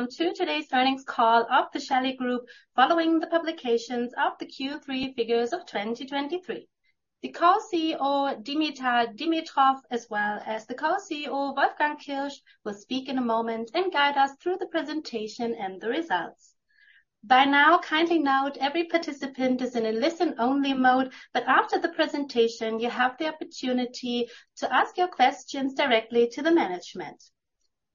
Welcome to today's earnings call of the Shelly Group, following the publications of the Q3 figures of 2023. The Co-CEO, Dimitar Dimitrov, as well as the Co-CEO, Wolfgang Kirsch, will speak in a moment and guide us through the presentation and the results. By now, kindly note every participant is in a listen-only mode, but after the presentation, you have the opportunity to ask your questions directly to the management.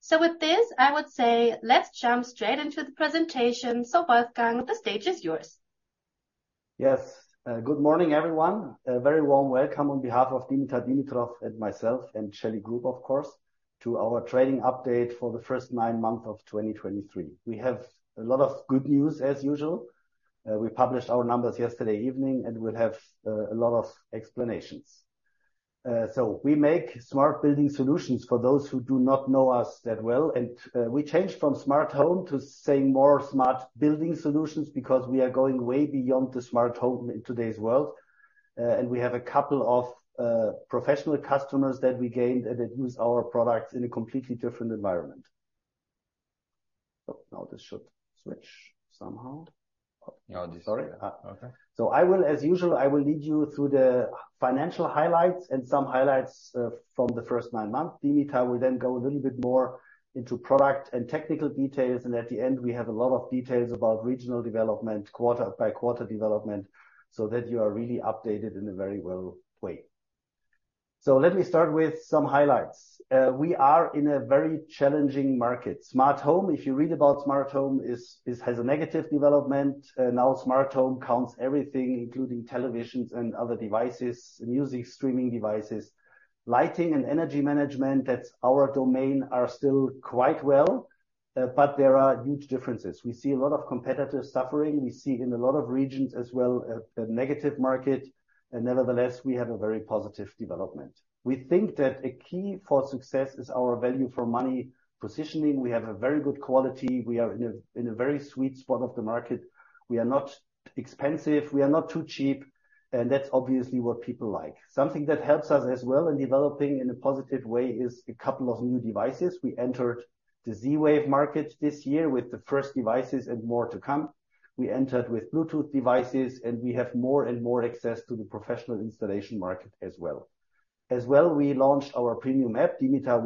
So with this, I would say, let's jump straight into the presentation. So Wolfgang, the stage is yours. Yes. Good morning, everyone. A very warm welcome on behalf of Dimitar Dimitrov and myself, and Shelly Group, of course, to our trading update for the first nine months of 2023. We have a lot of good news, as usual. We published our numbers yesterday evening, and we'll have a lot of explanations. So we make smart building solutions for those who do not know us that well, and we changed from smart home to saying more smart building solutions because we are going way beyond the smart home in today's world. And we have a couple of professional customers that we gained, and that use our products in a completely different environment. Oh, now this should switch somehow. Yeah. Sorry. Okay. So I will, as usual, I will lead you through the financial highlights and some highlights from the first nine months. Dimitar will then go a little bit more into product and technical details, and at the end, we have a lot of details about regional development, quarter by quarter development, so that you are really updated in a very well way. So let me start with some highlights. We are in a very challenging market. Smart home, if you read about smart home, has a negative development. Now smart home counts everything, including televisions and other devices, music streaming devices. Lighting and energy management, that's our domain, are still quite well, but there are huge differences. We see a lot of competitors suffering. We see in a lot of regions as well a negative market, and nevertheless, we have a very positive development. We think that a key for success is our value for money positioning. We have a very good quality. We are in a very sweet spot of the market. We are not expensive, we are not too cheap, and that's obviously what people like. Something that helps us as well in developing in a positive way is a couple of new devices. We entered the Z-Wave market this year with the first devices and more to come. We entered with Bluetooth devices, and we have more and more access to the professional installation market as well. As well, we launched our premium app. Dimitar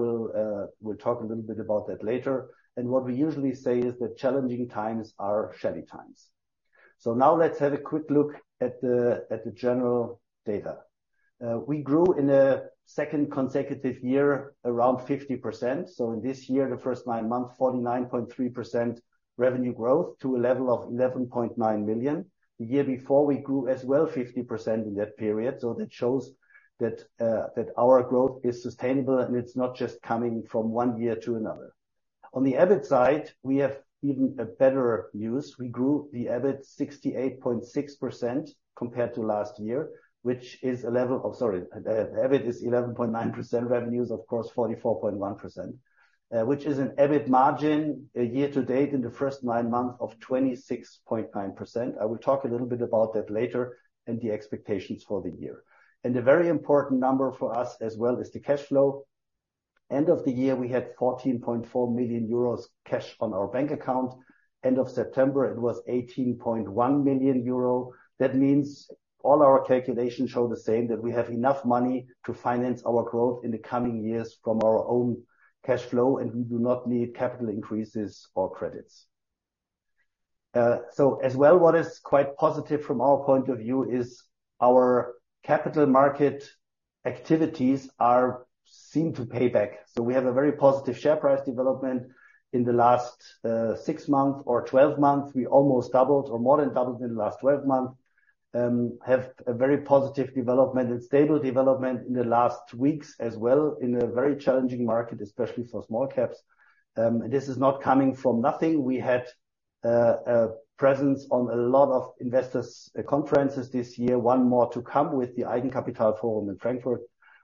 will talk a little bit about that later. What we usually say is that challenging times are Shelly times. So now let's have a quick look at the general data. We grew in a second consecutive year, around 50%. So in this year, the first nine months, 49.3% revenue growth to a level of 11.9 million. The year before, we grew as well, 50% in that period, so that shows that our growth is sustainable and it's not just coming from one year to another. On the EBIT side, we have even better news. We grew the EBIT 68.6% compared to last year, which is a level... Oh, sorry. EBIT is 11.9%. Revenues, of course, 44.1%. Which is an EBIT margin, year to date in the first nine months of 26.9%. I will talk a little bit about that later and the expectations for the year. A very important number for us as well is the cash flow. End of the year, we had 14.4 million euros cash on our bank account. End of September, it was 18.1 million euro. That means all our calculations show the same, that we have enough money to finance our growth in the coming years from our own cash flow, and we do not need capital increases or credits. So as well, what is quite positive from our point of view is our capital market activities are, seem to pay back. We have a very positive share price development in the last six months or 12 months. We almost doubled or more than doubled in the last 12 months. Have a very positive development and stable development in the last weeks as well, in a very challenging market, especially for small caps. This is not coming from nothing. We had a presence on a lot of investor conferences this year. One more to come with the Eigenkapital Forum in Frankfurt.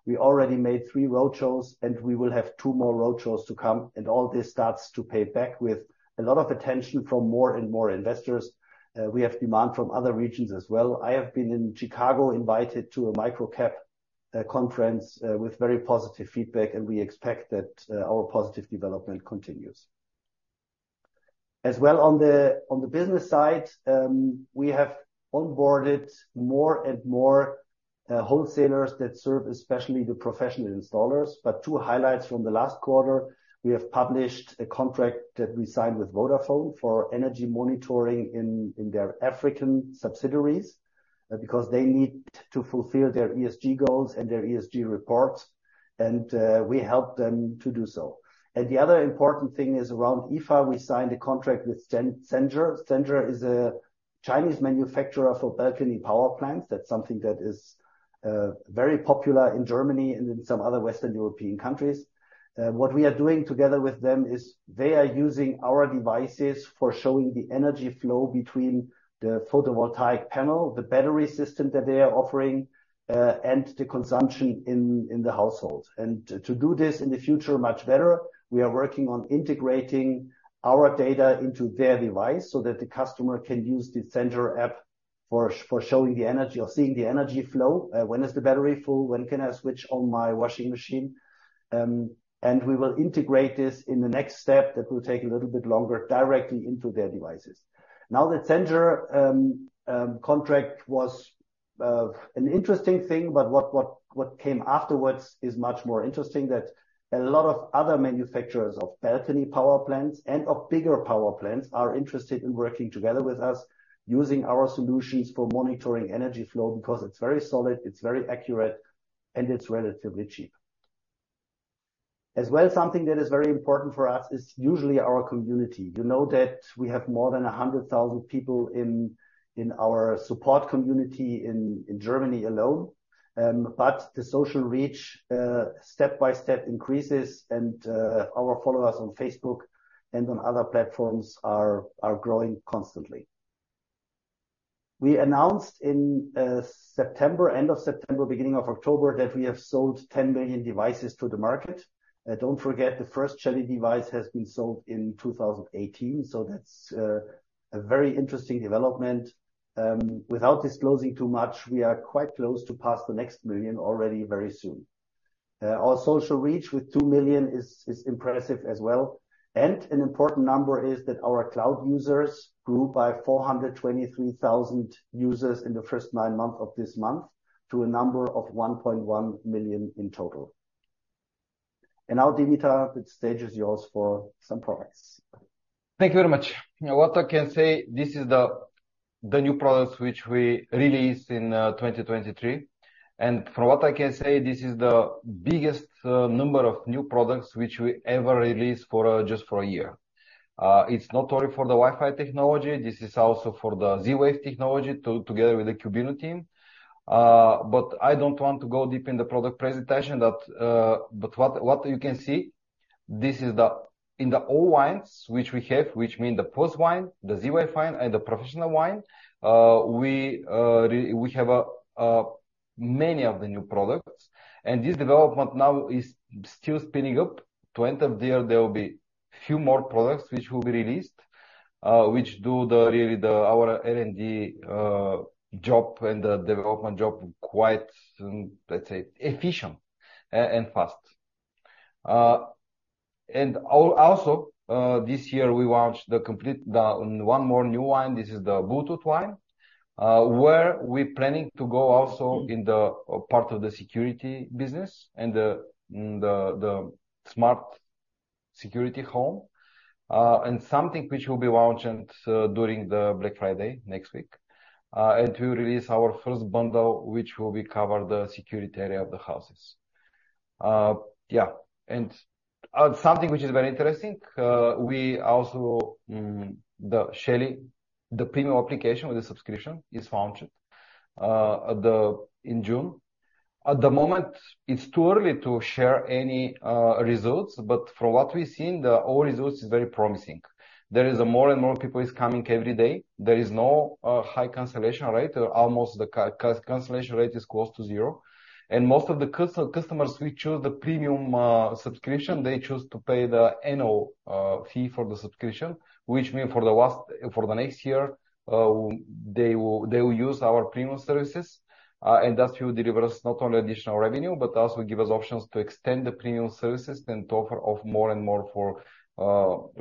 We already made 3 roadshows, and we will have 2 more roadshows to come, and all this starts to pay back with a lot of attention from more and more investors. We have demand from other regions as well. I have been in Chicago, invited to a micro-cap conference, with very positive feedback, and we expect that our positive development continues. As well, on the business side, we have onboarded more and more wholesalers that serve especially the professional installers. But two highlights from the last quarter, we have published a contract that we signed with Vodafone for energy monitoring in their African subsidiaries, because they need to fulfill their ESG goals and their ESG reports, and we help them to do so. And the other important thing is around IFA, we signed a contract with Zendure. Zendure is a Chinese manufacturer for balcony power plants. That's something that is very popular in Germany and in some other Western European countries. What we are doing together with them is they are using our devices for showing the energy flow between the photovoltaic panel, the battery system that they are offering, and the consumption in the household. To do this in the future, much better, we are working on integrating our data into their device, so that the customer can use the Zendure app for showing the energy or seeing the energy flow. When is the battery full? When can I switch on my washing machine? And we will integrate this in the next step. That will take a little bit longer directly into their devices. Now, the Zendure contract was an interesting thing, but what came afterwards is much more interesting, that a lot of other manufacturers of balcony power plants and of bigger power plants are interested in working together with us, using our solutions for monitoring energy flow, because it's very solid, it's very accurate, and it's relatively cheap. As well, something that is very important for us is usually our community. You know that we have more than 100,000 people in our support community in Germany alone. But the social reach step by step increases and our followers on Facebook and on other platforms are growing constantly. We announced in September, end of September, beginning of October, that we have sold 10 million devices to the market. Don't forget, the first Shelly device has been sold in 2018, so that's a very interesting development. Without disclosing too much, we are quite close to pass the next million already very soon. Our social reach with 2 million is impressive as well, and an important number is that our cloud users grew by 423,000 users in the first nine months of this month, to a number of 1.1 million in total. And now, Dimitar, the stage is yours for some products. Thank you very much. Now, what I can say, this is the new products which we released in 2023. And from what I can say, this is the biggest number of new products which we ever released for just for a year. It's not only for the Wi-Fi technology, this is also for the Z-Wave technology together with the Qubino team. But I don't want to go deep in the product presentation that... But what you can see, this is in all lines which we have, which mean the Pulse line, the Z-Wave line, and the professional line, we have many of the new products. And this development now is still spinning up. To end of the year, there will be few more products which will be released, which really do our R&D job and the development job, quite, let's say, efficient, and fast. And also, this year we launched completely one more new line. This is the Bluetooth line, where we're planning to go also in the part of the security business and the smart security home, and something which will be launched during Black Friday next week. And we release our first bundle, which will be cover the security area of the houses. Yeah, and something which is very interesting, we also, the Shelly premium application with the subscription is launched in June. At the moment, it's too early to share any results, but from what we've seen, the overall results is very promising. There is a more and more people is coming every day. There is no high cancellation rate, or almost the cancellation rate is close to zero. And most of the customers which choose the premium subscription, they choose to pay the annual fee for the subscription, which mean for the next year, they will use our premium services. And that will deliver us not only additional revenue, but also give us options to extend the premium services and to offer more and more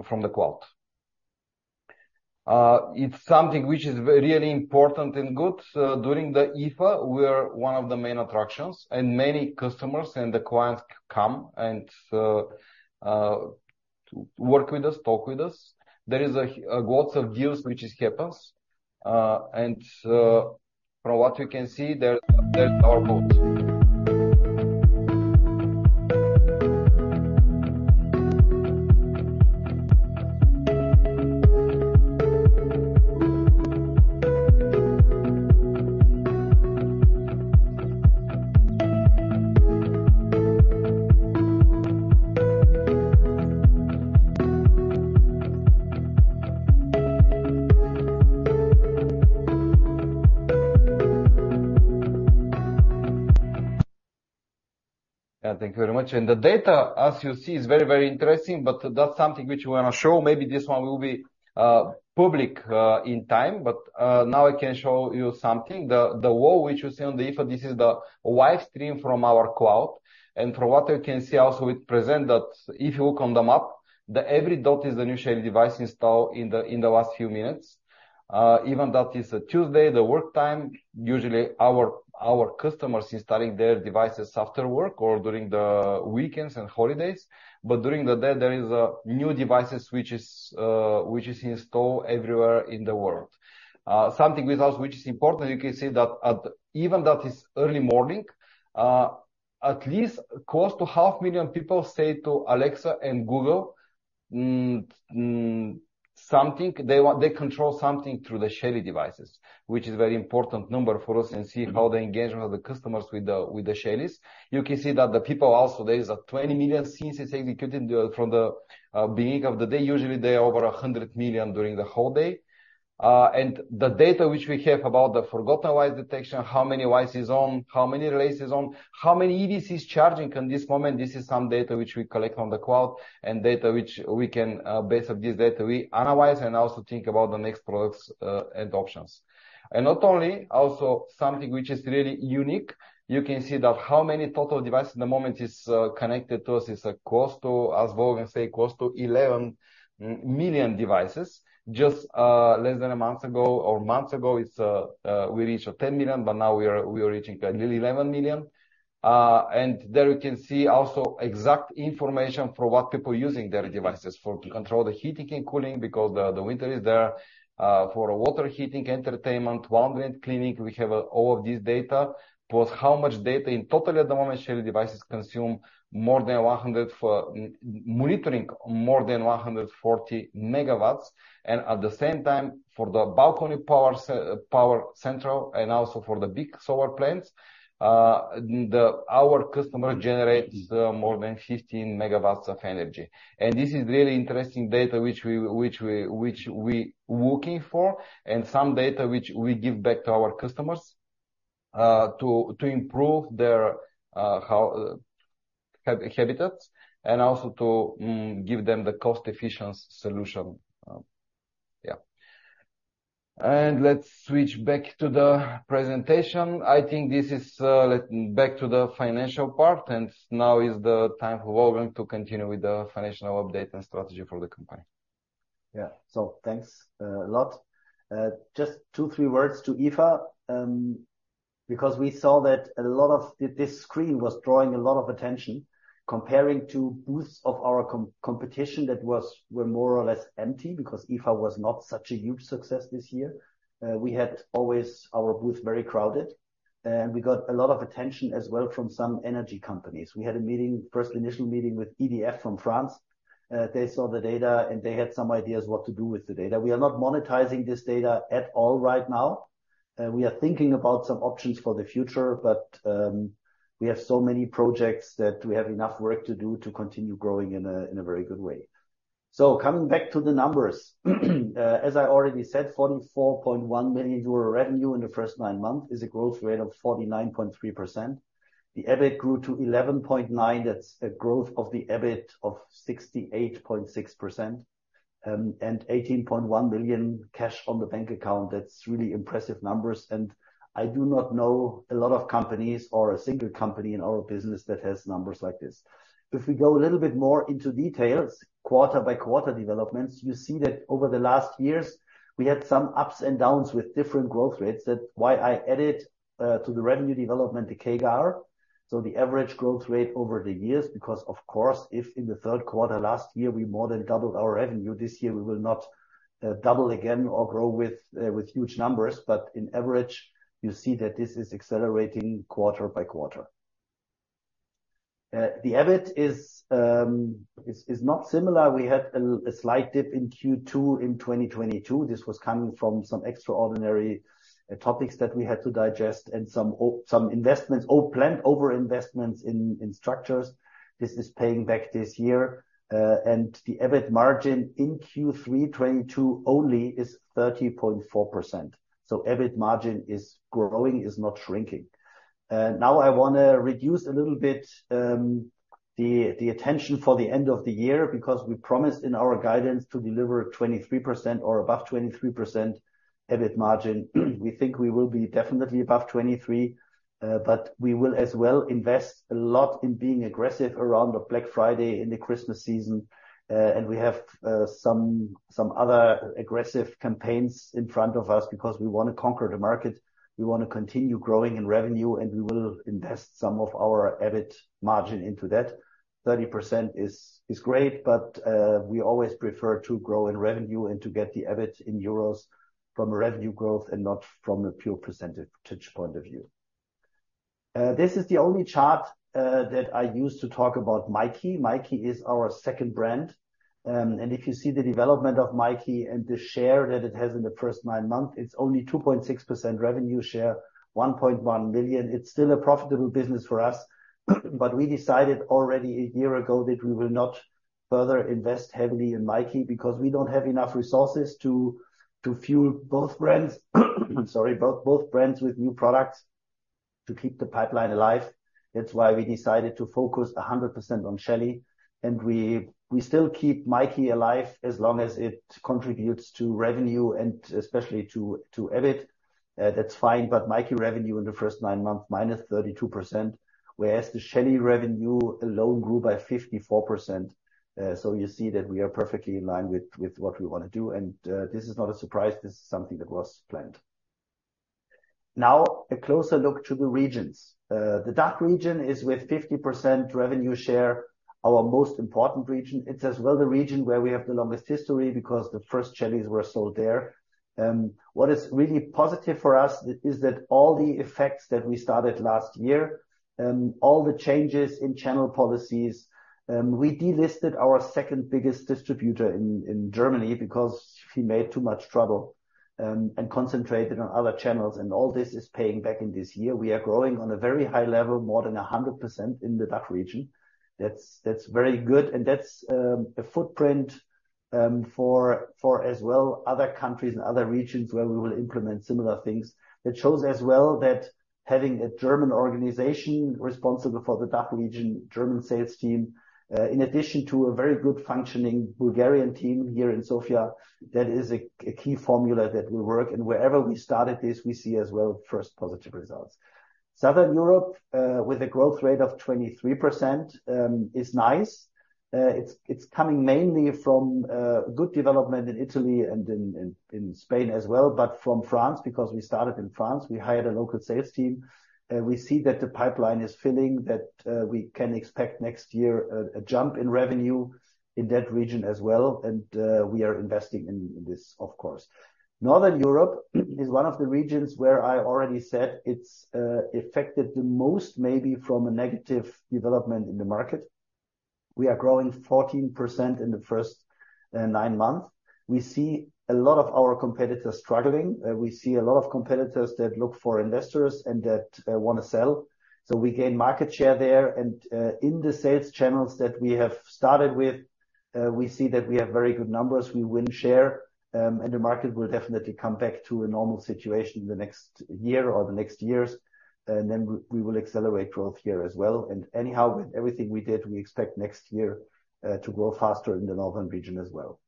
from the cloud. It's something which is very really important and good. During the IFA, we are one of the main attractions, and many customers and the clients come and work with us, talk with us. There is a lots of deals which has happens, and from what you can see, there's our booth. Thank you very much. And the data, as you see, is very, very interesting, but that's something which we want to show. Maybe this one will be public in time, but now I can show you something. The wall which you see on the IFA, this is the live stream from our cloud. And from what you can see also, it present that if you look on the map, the every dot is the new Shelly device installed in the last few minutes. Even that is a Tuesday, the work time, usually our customers installing their devices after work or during the weekends and holidays. But during the day, there is new devices which is installed everywhere in the world. Something with us, which is important, you can see that at... even that is early morning, at least close to 500,000 people say to Alexa and Google something, they want, they control something through the Shelly devices, which is very important number for us, and see how the engagement of the customers with the Shellies. You can see that the people also, there is a 20 million scenes is executed from the beginning of the day. Usually, there are over a 100 million during the whole day. And the data which we have about the forgotten device detection, how many devices is on, how many relays is on, how many EDCs charging at this moment. This is some data which we collect on the cloud, and data which we can, based on this data, we analyze and also think about the next products, adoptions. And not only, also something which is really unique, you can see that how many total devices at the moment is, connected to us is, close to, as Wolfgang say, close to 11 million devices. Just, less than a month ago or months ago, it's, we reached 10 million, but now we are, we are reaching nearly 11 million. And there you can see also exact information for what people using their devices for, to control the heating and cooling, because the winter is there. For water heating, entertainment, wound cleaning, we have all of this data, plus how much data in total at the moment. Shelly devices monitoring more than 140 megawatts, and at the same time, for the balcony power central and also for the big solar plants, our customer generates more than 15 megawatts of energy. And this is really interesting data which we looking for, and some data which we give back to our customers, to improve their habitats and also to give them the cost-efficient solution. Yeah. And let's switch back to the presentation. I think this is, let's get back to the financial part, and now is the time for Wolfgang to continue with the financial update and strategy for the company. Yeah. So thanks a lot. Just 2, 3 words to IFA, because we saw that a lot of... This screen was drawing a lot of attention, comparing to booths of our competition that were more or less empty, because IFA was not such a huge success this year. We had always our booth very crowded, and we got a lot of attention as well from some energy companies. We had a meeting, first initial meeting with EDF from France. They saw the data, and they had some ideas what to do with the data. We are not monetizing this data at all right now. We are thinking about some options for the future, but we have so many projects that we have enough work to do to continue growing in a very good way. Coming back to the numbers, as I already said, 44.1 million euro revenue in the first nine months is a growth rate of 49.3%. The EBIT grew to 11.9 million, that's a growth of the EBIT of 68.6%, and 18.1 million cash on the bank account. That's really impressive numbers, and I do not know a lot of companies or a single company in our business that has numbers like this. If we go a little bit more into details, quarter by quarter developments, you see that over the last years, we had some ups and downs with different growth rates. That's why I added to the revenue development, the CAGR, so the average growth rate over the years, because of course, if in the third quarter last year, we more than doubled our revenue, this year, we will not double again or grow with huge numbers. But in average, you see that this is accelerating quarter by quarter. The EBIT is not similar. We had a slight dip in Q2 in 2022. This was coming from some extraordinary topics that we had to digest and some investments or planned over investments in structures. This is paying back this year. And the EBIT margin in Q3 2022 only is 30.4%. So EBIT margin is growing, it's not shrinking. Now I wanna reduce a little bit the attention for the end of the year because we promised in our guidance to deliver 23% or above 23% EBIT margin. We think we will be definitely above 23, but we will as well invest a lot in being aggressive around the Black Friday in the Christmas season. And we have some other aggressive campaigns in front of us because we want to conquer the market. We want to continue growing in revenue, and we will invest some of our EBIT margin into that. 30% is great, but we always prefer to grow in revenue and to get the EBIT in euros from revenue growth and not from a pure percentage point of view. This is the only chart that I use to talk about MyKi. MyKi is our second brand. If you see the development of MyKi and the share that it has in the first nine months, it's only 2.6% revenue share, 1.1 million. It's still a profitable business for us, but we decided already a year ago that we will not further invest heavily in MyKi because we don't have enough resources to fuel both brands. I'm sorry, both brands with new products to keep the pipeline alive. That's why we decided to focus 100% on Shelly, and we still keep MyKi alive as long as it contributes to revenue and especially to EBIT. That's fine, but MyKi revenue in the first nine months, -32%, whereas the Shelly revenue alone grew by 54%. So you see that we are perfectly in line with, with what we want to do, and this is not a surprise. This is something that was planned. Now, a closer look to the regions. The DACH region is with 50% revenue share, our most important region. It's as well the region where we have the longest history because the first Shellies were sold there. What is really positive for us is that all the changes in channel policies. We delisted our second biggest distributor in, in Germany because he made too much trouble, and concentrated on other channels, and all this is paying back in this year. We are growing on a very high level, more than 100% in the DACH region. That's very good and that's a footprint for as well other countries and other regions where we will implement similar things. It shows as well that having a German organization responsible for the DACH region, German sales team, in addition to a very good functioning Bulgarian team here in Sofia, that is a key formula that will work. And wherever we started this, we see as well first positive results. Southern Europe with a growth rate of 23% is nice. It's coming mainly from good development in Italy and in Spain as well, but from France, because we started in France, we hired a local sales team. We see that the pipeline is filling, that we can expect next year a jump in revenue in that region as well, and we are investing in this, of course. Northern Europe is one of the regions where I already said it's affected the most, maybe from a negative development in the market. We are growing 14% in the first nine months. We see a lot of our competitors struggling. We see a lot of competitors that look for investors and that wanna sell. So we gain market share there, and, in the sales channels that we have started with, we see that we have very good numbers, we win share, and the market will definitely come back to a normal situation in the next year or the next years, and then we, we will accelerate growth here as well. And anyhow, with everything we did, we expect next year, to grow faster in the northern region as well.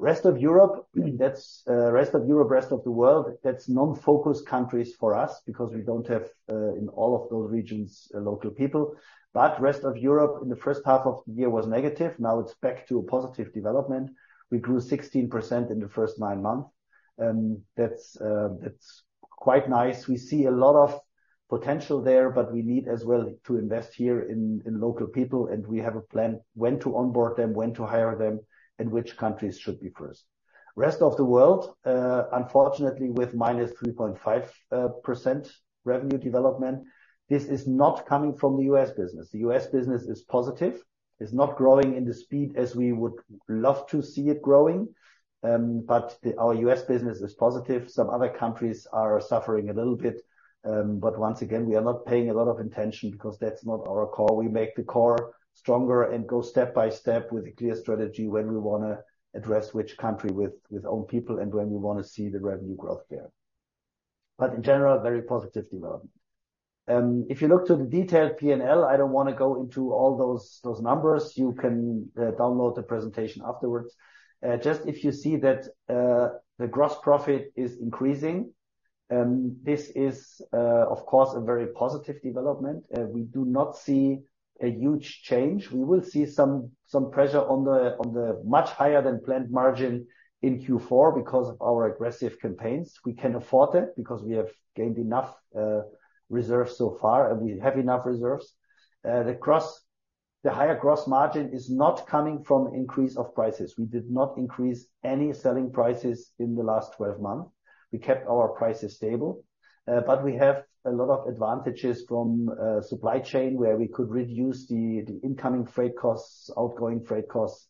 Rest of Europe, that's, rest of Europe, rest of the world, that's non-focus countries for us because we don't have, in all of those regions, local people. But rest of Europe in the first half of the year was negative. Now it's back to a positive development. We grew 16% in the first nine months, that's, that's quite nice. We see a lot of potential there, but we need as well to invest here in, in local people, and we have a plan when to onboard them, when to hire them, and which countries should be first. Rest of the world, unfortunately, with minus 3.5% revenue development, this is not coming from the U.S. business. The U.S. business is positive. It's not growing in the speed as we would love to see it growing, but our U.S. business is positive. Some other countries are suffering a little bit, but once again, we are not paying a lot of attention because that's not our core. We make the core stronger and go step by step with a clear strategy when we wanna address which country with, with own people and when we wanna see the revenue growth there. But in general, very positive development. If you look to the detailed P&L, I don't wanna go into all those, those numbers. You can download the presentation afterwards. Just if you see that, the gross profit is increasing, this is, of course, a very positive development. We do not see a huge change. We will see some, some pressure on the, on the much higher than planned margin in Q4 because of our aggressive campaigns. We can afford it because we have gained enough, reserves so far, and we have enough reserves. The higher gross margin is not coming from increase of prices. We did not increase any selling prices in the last 12 months. We kept our prices stable, but we have a lot of advantages from supply chain, where we could reduce the incoming freight costs, outgoing freight costs,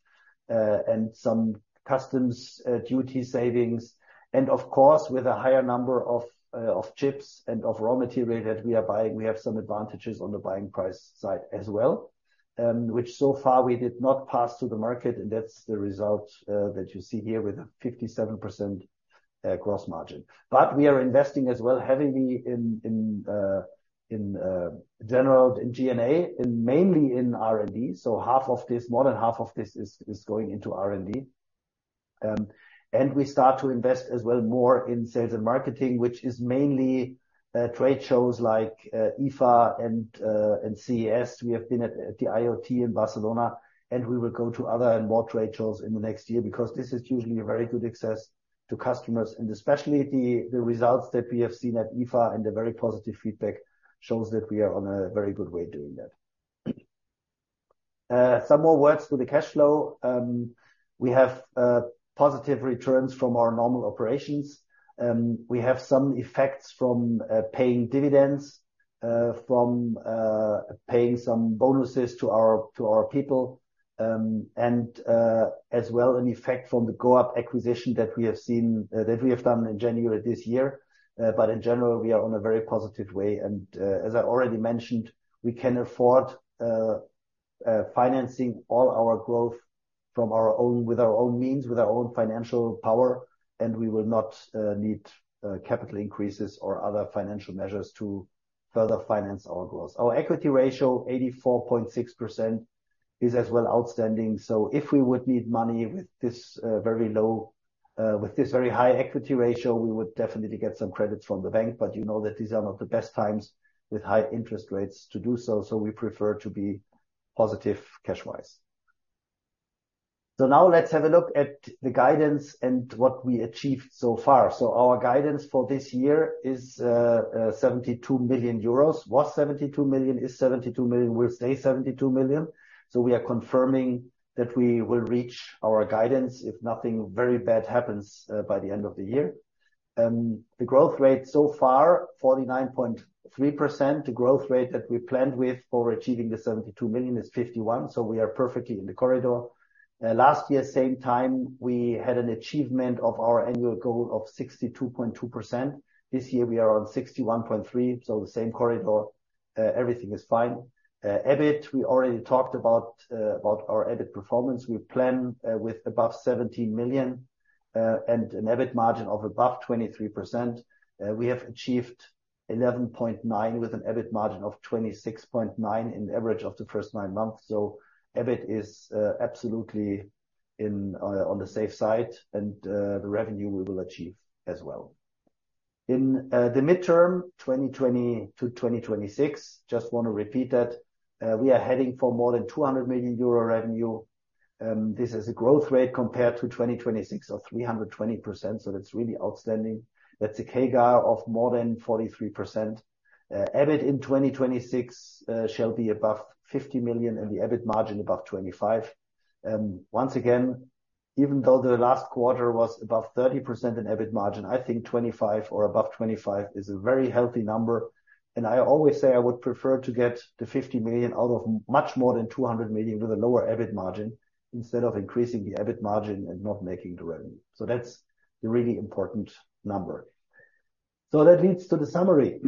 and some customs duty savings. And of course, with a higher number of chips and of raw material that we are buying, we have some advantages on the buying price side as well, which so far we did not pass to the market, and that's the result that you see here with a 57% gross margin. But we are investing as well, heavily in general, in G&A and mainly in R&D. So half of this, more than half of this is going into R&D. And we start to invest as well more in sales and marketing, which is mainly trade shows like IFA and CES. We have been at the IoT in Barcelona, and we will go to other and more trade shows in the next year because this is usually a very good access to customers, and especially the results that we have seen at IFA and the very positive feedback shows that we are on a very good way doing that. Some more words to the cash flow. We have positive returns from our normal operations. We have some effects from paying dividends, from paying some bonuses to our people, and as well, an effect from the Qubino acquisition that we have done in January this year. But in general, we are on a very positive way, and as I already mentioned, we can afford financing all our growth from our own with our own means, with our own financial power, and we will not need capital increases or other financial measures to further finance our goals. Our equity ratio, 84.6%, is as well outstanding. So if we would need money with this very low, with this very high equity ratio, we would definitely get some credits from the bank, but you know that these are not the best times with high interest rates to do so. So we prefer to be positive cash-wise. So now let's have a look at the guidance and what we achieved so far. So our guidance for this year is 72 million euros. Was 72 million, is 72 million, will stay 72 million. So we are confirming that we will reach our guidance if nothing very bad happens by the end of the year. The growth rate so far, 49.3%. The growth rate that we planned with for achieving the 72 million is 51%, so we are perfectly in the corridor. Last year, same time, we had an achievement of our annual goal of 62.2%. This year we are on 61.3%, so the same corridor, everything is fine. EBIT, we already talked about our EBIT performance. We plan with above 17 million and an EBIT margin of above 23%. We have achieved 11.9, with an EBIT margin of 26.9% in average of the first nine months. So EBIT is absolutely in on the safe side, and the revenue we will achieve as well. In the midterm, 2020 to 2026, just want to repeat that, we are heading for more than 200 million euro revenue. This is a growth rate compared to 2026 of 320%, so that's really outstanding. That's a CAGR of more than 43%. EBIT in 2026 shall be above 50 million, and the EBIT margin above 25%. Once again, even though the last quarter was above 30% in EBIT margin, I think 25 or above 25 is a very healthy number. I always say I would prefer to get the 50 million out of much more than 200 million with a lower EBIT margin, instead of increasing the EBIT margin and not making the revenue. That's a really important number. That leads to the summary.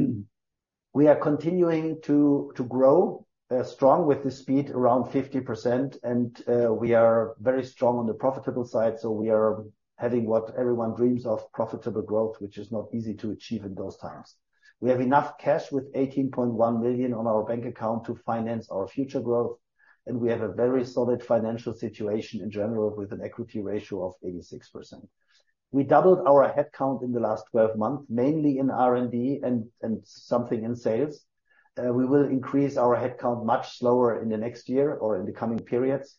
We are continuing to grow strong with the speed, around 50%, and we are very strong on the profitable side. We are having what everyone dreams of, profitable growth, which is not easy to achieve in those times. We have enough cash with 18.1 million on our bank account to finance our future growth, and we have a very solid financial situation in general, with an equity ratio of 86%. We doubled our headcount in the last 12 months, mainly in R&D and something in sales. We will increase our headcount much slower in the next year or in the coming periods,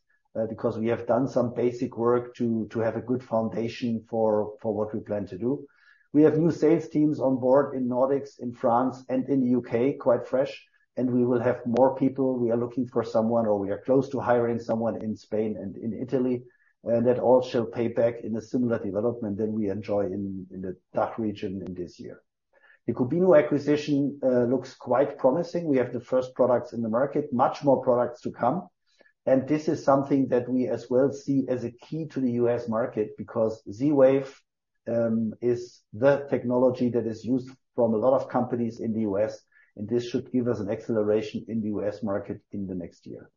because we have done some basic work to have a good foundation for what we plan to do. We have new sales teams on board in Nordics, in France, and in the UK, quite fresh, and we will have more people. We are looking for someone, or we are close to hiring someone in Spain and in Italy, and that all shall pay back in a similar development than we enjoy in the DACH region in this year. The Qubino acquisition looks quite promising. We have the first products in the market, much more products to come. This is something that we as well see as a key to the US market, because Z-Wave is the technology that is used from a lot of companies in the US, and this should give us an acceleration in the US market in the next year.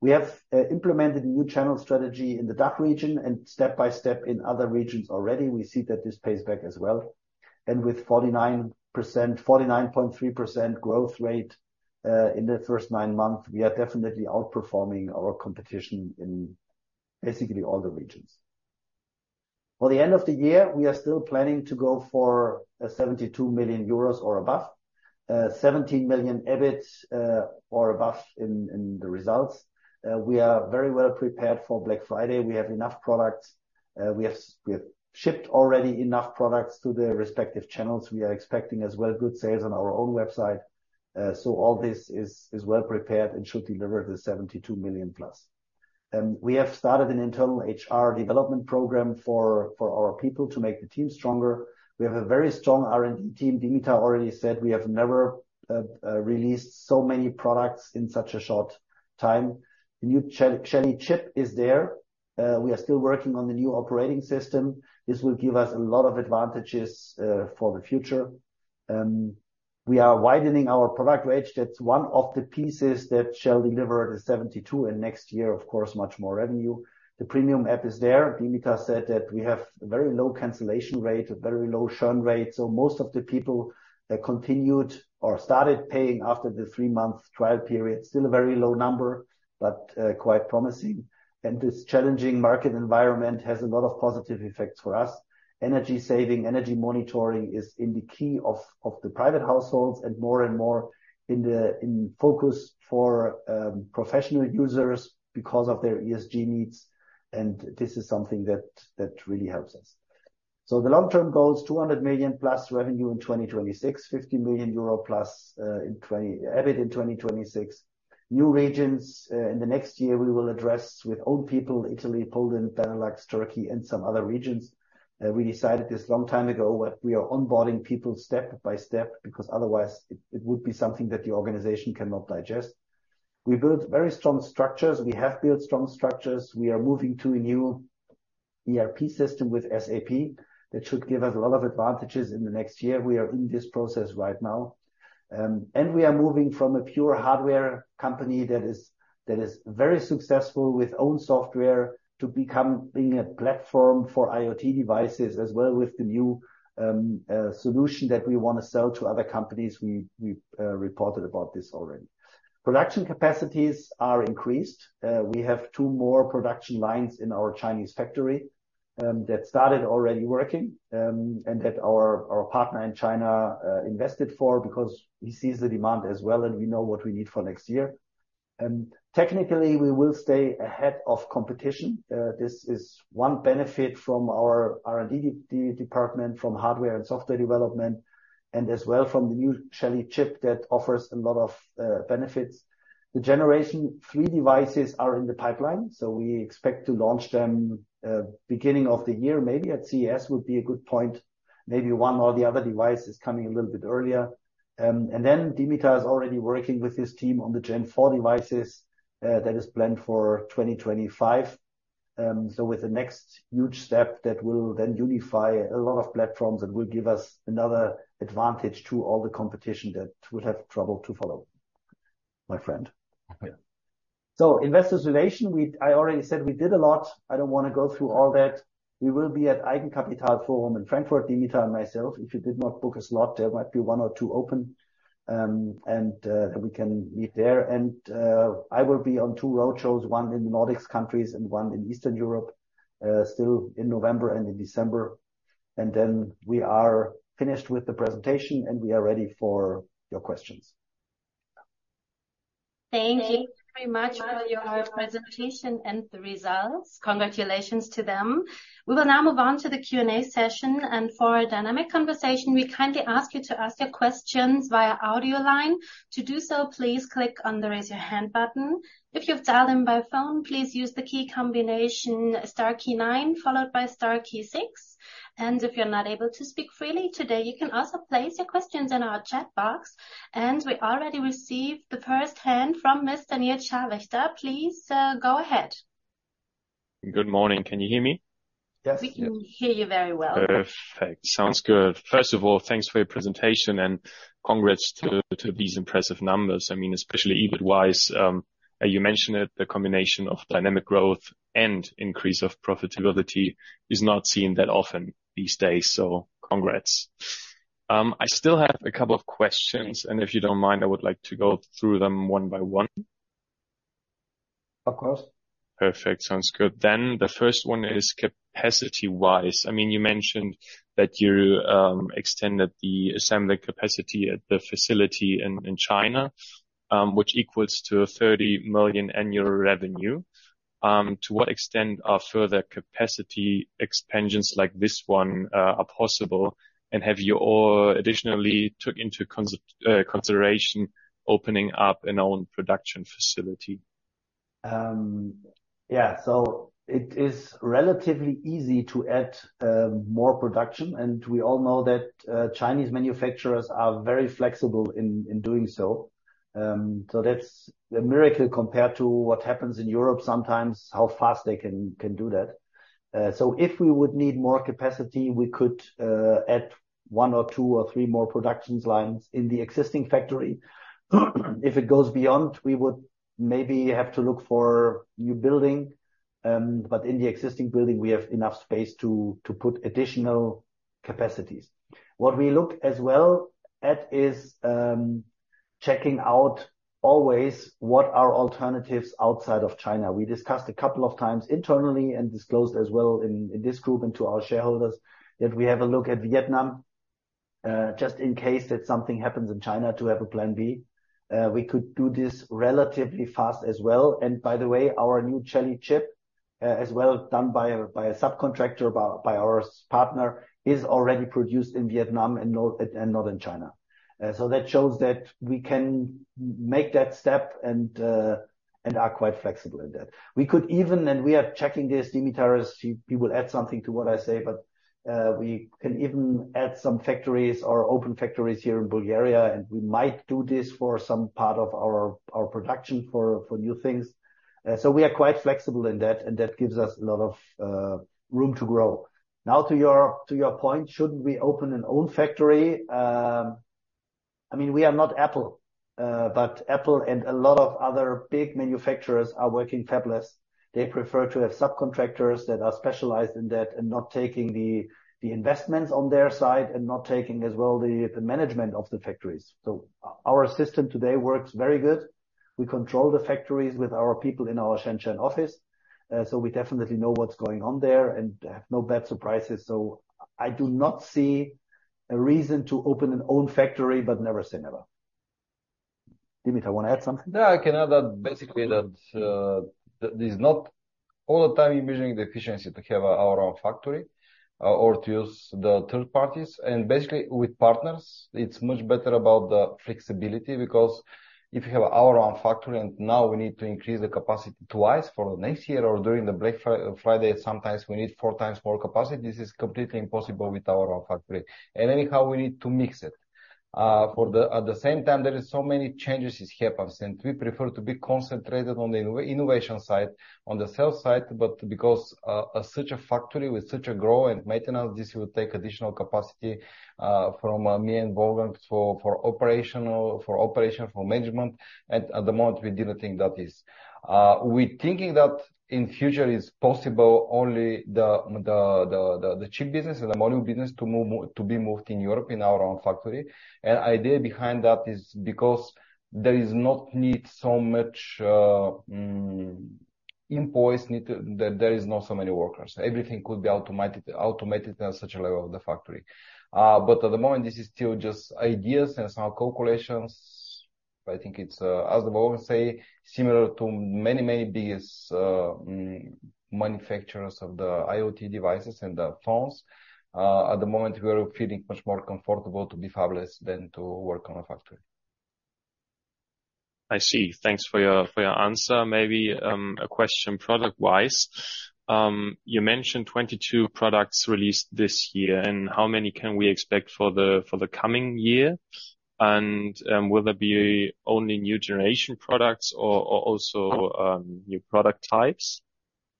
We have implemented a new channel strategy in the DACH region and step by step in other regions already. We see that this pays back as well. And with 49%, 49.3% growth rate in the first nine months, we are definitely outperforming our competition in basically all the regions. For the end of the year, we are still planning to go for 72 million euros or above, 17 million EBIT or above in the results. We are very well prepared for Black Friday. We have enough products. We have shipped already enough products to the respective channels. We are expecting as well good sales on our own website. So all this is well prepared and should deliver the 72 million plus. We have started an internal HR development program for our people to make the team stronger. We have a very strong R&D team. Dimitar already said we have never released so many products in such a short time. The new Shelly chip is there. We are still working on the new operating system. This will give us a lot of advantages for the future. We are widening our product range. That's one of the pieces that shall deliver the 72, and next year, of course, much more revenue. The premium app is there. Dimitar said that we have a very low cancellation rate, a very low churn rate. So most of the people continued or started paying after the three-month trial period. Still a very low number, but quite promising. And this challenging market environment has a lot of positive effects for us. Energy saving, energy monitoring is in the key of the private households and more and more in focus for professional users because of their ESG needs, and this is something that really helps us. So the long-term goal is 200 million+ revenue in 2026, 50 million euro+ EBIT in 2026. New regions in the next year, we will address with own people, Italy, Poland, Benelux, Turkey, and some other regions. We decided this a long time ago, but we are onboarding people step by step, because otherwise it would be something that the organization cannot digest. We build very strong structures. We have built strong structures. We are moving to a new ERP system with SAP that should give us a lot of advantages in the next year. We are in this process right now. We are moving from a pure hardware company that is very successful with own software to becoming a platform for IoT devices, as well as with the new solution that we want to sell to other companies. We reported about this already. Production capacities are increased. We have two more production lines in our Chinese factory that started already working, and that our partner in China invested for, because he sees the demand as well, and we know what we need for next year. Technically, we will stay ahead of competition. This is one benefit from our R&D department, from hardware and software development, and as well from the new Shelly chip that offers a lot of benefits. The Generation Three devices are in the pipeline, so we expect to launch them beginning of the year. Maybe at CES would be a good point... maybe one or the other device is coming a little bit earlier. And then Dimitar is already working with his team on the Gen 4 devices that is planned for 2025. So with the next huge step, that will then unify a lot of platforms and will give us another advantage to all the competition that will have trouble to follow, my friend. Okay. So investor relations, I already said we did a lot. I don't want to go through all that. We will be at Eigenkapital Forum in Frankfurt, Dimitar and myself. If you did not book a slot, there might be one or two open, and we can meet there. I will be on two roadshows, one in the Nordics countries and one in Eastern Europe, still in November and in December. Then we are finished with the presentation, and we are ready for your questions. Thank you very much for your presentation and the results. Congratulations to them. We will now move on to the Q&A session, and for a dynamic conversation, we kindly ask you to ask your questions via audio line. To do so, please click on the Raise Your Hand button. If you've dialed in by phone, please use the key combination star key nine, followed by star key six. If you're not able to speak freely today, you can also place your questions in our chat box. We already received the first hand from Mr. Nils Scharwächter. Please, go ahead. Good morning. Can you hear me? Yes. We can hear you very well. Perfect. Sounds good. First of all, thanks for your presentation and congrats to these impressive numbers. I mean, especially EBIT-wise, as you mentioned it, the combination of dynamic growth and increase of profitability is not seen that often these days. So congrats. I still have a couple of questions, and if you don't mind, I would like to go through them one by one. Of course. Perfect. Sounds good. Then the first one is capacity-wise. I mean, you mentioned that you extended the assembly capacity at the facility in China, which equals to 30 million annual revenue. To what extent are further capacity expansions like this one are possible? And have you all additionally took into consideration opening up an own production facility? Yeah. So it is relatively easy to add more production, and we all know that Chinese manufacturers are very flexible in doing so. So that's a miracle compared to what happens in Europe sometimes, how fast they can do that. So if we would need more capacity, we could add one or two or three more production lines in the existing factory. If it goes beyond, we would maybe have to look for new building, but in the existing building, we have enough space to put additional capacities. What we look at as well is checking out always what are alternatives outside of China. We discussed a couple of times internally and disclosed as well in this group and to our shareholders, that we have a look at Vietnam, just in case that something happens in China to have a plan B. We could do this relatively fast as well. And by the way, our new Shelly chip, as well, done by a subcontractor, by our partner, is already produced in Vietnam and Northern China. So that shows that we can make that step and are quite flexible in that. We could even. We are checking this, Dimitar, he will add something to what I say, but we can even add some factories or open factories here in Bulgaria, and we might do this for some part of our production for new things. So we are quite flexible in that, and that gives us a lot of room to grow. Now, to your point, shouldn't we open an own factory? I mean, we are not Apple, but Apple and a lot of other big manufacturers are working fabless. They prefer to have subcontractors that are specialized in that and not taking the investments on their side and not taking as well the management of the factories. So our system today works very good. We control the factories with our people in our Shenzhen office, so we definitely know what's going on there and have no bad surprises. So I do not see a reason to open an own factory, but never say never. Dimitar, want to add something? Yeah, I can add that basically, that, there's not all the time imagining the efficiency to have our own factory, or to use the third parties. And basically, with partners, it's much better about the flexibility because if you have our own factory and now we need to increase the capacity twice for the next year or during the Black Friday, sometimes we need four times more capacity. This is completely impossible with our own factory, and anyhow, we need to mix it. At the same time, there is so many changes happens, and we prefer to be concentrated on the innovation side, on the sales side, but because, such a factory with such a growth and maintenance, this will take additional capacity, from me and Wolfgang, for operational management. At the moment, we didn't think that is. We thinking that in future is possible, only the chip business and the module business to move to be moved in Europe, in our own factory. And idea behind that is because there is not need so much employees need to. There is not so many workers. Everything could be automated at such a level of the factory. But at the moment, this is still just ideas and some calculations. I think it's as Wolfgang say, similar to many biggest manufacturers of the IoT devices and the phones. At the moment, we are feeling much more comfortable to be fabless than to work on a factory.... I see. Thanks for your, for your answer. Maybe a question product-wise. You mentioned 22 products released this year, and how many can we expect for the, for the coming year? And will there be only new generation products or also new product types?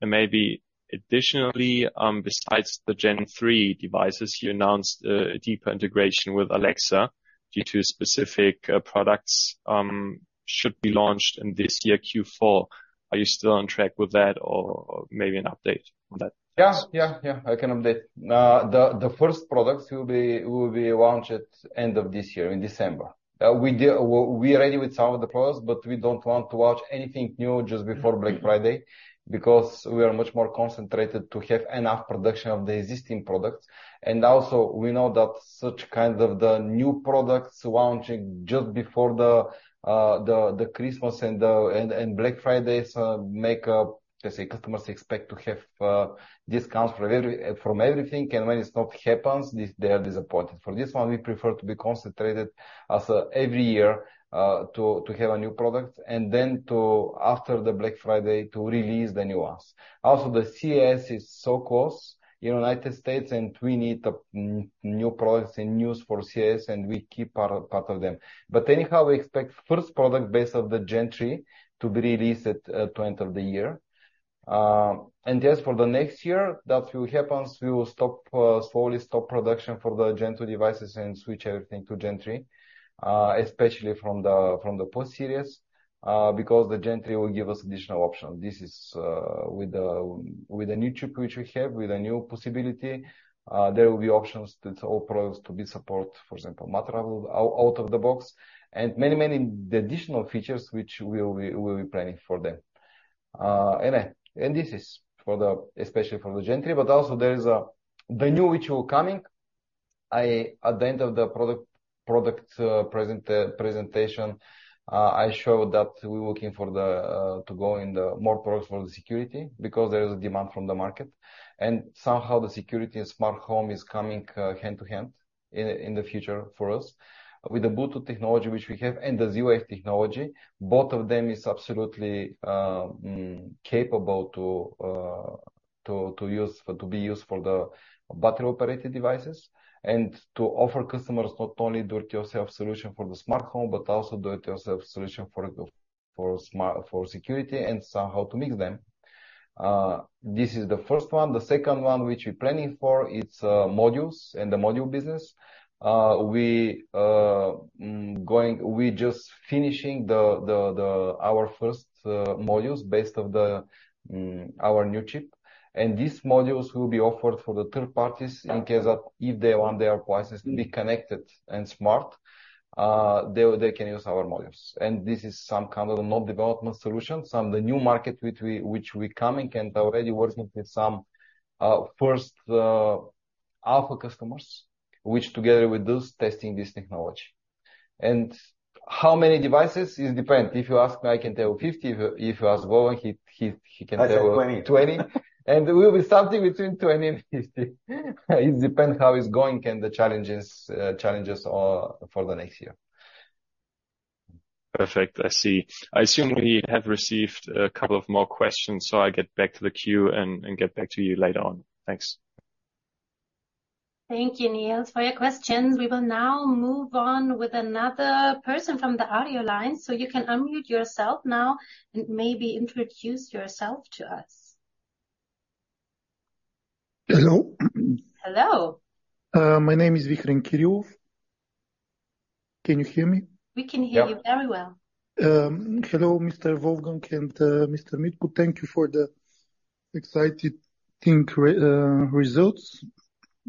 And maybe additionally, besides the Gen3 devices, you announced a deeper integration with Alexa due to specific products should be launched in this year, Q4. Are you still on track with that or maybe an update on that? Yeah, yeah, yeah, I can update. The first products will be launched at end of this year, in December. We are ready with some of the products, but we don't want to launch anything new just before Black Friday, because we are much more concentrated to have enough production of the existing products. And also, we know that such kind of the new products launching just before the Christmas and Black Fridays make... Let's say, customers expect to have discounts from everything, and when it's not happens, they are disappointed. For this one, we prefer to be concentrated as every year to have a new product and then to, after the Black Friday, to release the new ones. Also, the CES is so close in United States, and we need the new products and news for CES, and we keep part of them. But anyhow, we expect first product base of the Gen Three to be released at the end of the year. And yes, for the next year, that will happen, we will slowly stop production for the Gen Two devices and switch everything to Gen Three, especially from the Plus series, because the Gen Three will give us additional options. This is with the new chip which we have, with the new possibility, there will be options that all products to be support, for example, Matter out of the box, and many the additional features which we will be planning for them. This is especially for the Gen3, but also there is the new which will come. At the end of the product presentation, I showed that we're looking to go into more products for the security because there is a demand from the market. And somehow the security and smart home is coming hand in hand in the future for us. With the Bluetooth technology, which we have, and the Z-Wave technology, both of them is absolutely capable to be used for the battery-operated devices. And to offer customers not only do-it-yourself solution for the smartphone, but also do-it-yourself solution for the smart security and somehow to mix them. This is the first one. The second one, which we're planning for, it's modules and the module business. We just finishing our first modules based on our new chip. And these modules will be offered for third parties in case that if they want their devices to be connected and smart, they can use our modules. And this is some kind of non-development solution. The new market which we coming and already working with some first alpha customers, which together with those testing this technology. And how many devices? It depend. If you ask me, I can tell you 50. If you ask Wolfgang, he can tell you- I say 20. 20. It will be something between 20 and 50. It depends how it's going and the challenges for the next year. Perfect. I see. I assume we have received a couple of more questions, so I'll get back to the queue and get back to you later on. Thanks. Thank you, Neil, for your questions. We will now move on with another person from the audio line. So you can unmute yourself now and maybe introduce yourself to us. Hello? Hello. My name is Vikrin Kyriou. Can you hear me? We can hear you- Yeah. Very well. Hello, Mr. Wolfgang and Mr. Mitko. Thank you for the exciting results,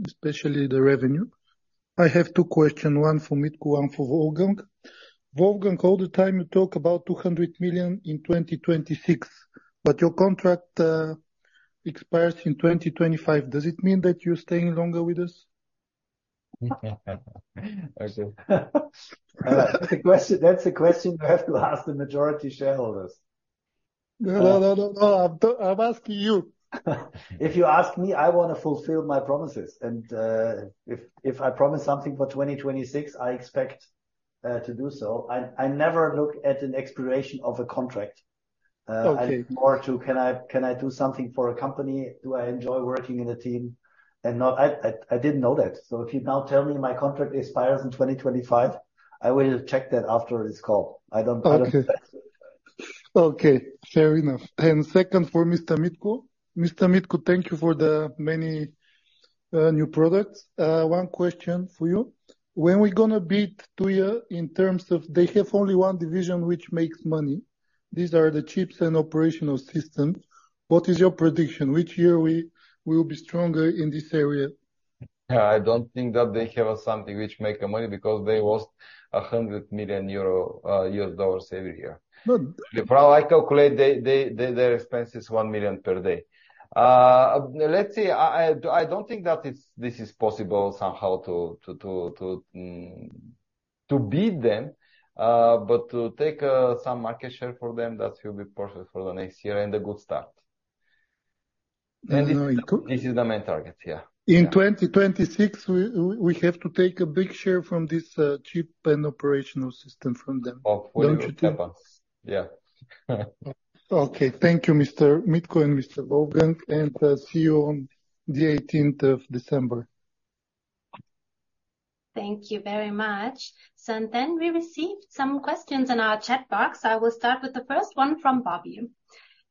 especially the revenue. I have two question, one for Mitko, one for Wolfgang. Wolfgang, all the time you talk about 200 million in 2026, but your contract expires in 2025. Does it mean that you're staying longer with us? Thank you. That's a question, that's a question you have to ask the majority shareholders. No, no, no, no, no. I'm, I'm asking you. If you ask me, I wanna fulfill my promises, and if I promise something for 2026, I expect to do so. I never look at an expiration of a contract. Okay. I look more to, can I, can I do something for a company? Do I enjoy working in a team? And not... I didn't know that. So if you now tell me my contract expires in 2025, I will check that after this call. I don't, I don't- Okay. Okay, fair enough. And second, for Mr. Mitko. Mr. Mitko, thank you for the many new products. One question for you. When we're gonna beat Tuya in terms of... They have only one division which makes money. These are the chips and operational systems. What is your prediction? Which year we will be stronger in this area? Yeah, I don't think that they have something which make money, because they lost 100 million euro or $100 million every year. Good. I calculate their expense is 1 million per day. Let's see, I don't think that it's possible somehow to beat them, but to take some market share from them, that will be perfect for the next year and a good start.... And this is the main target, yeah. In 2026, we have to take a big share from this chip and operational system from them. Oh well, it happens. Don't you think? Yeah. Okay. Thank you, Mr. Mitko and Mr. Wolfgang, and see you on the eighteenth of December. Thank you very much. We received some questions in our chat box. I will start with the first one from Bobby.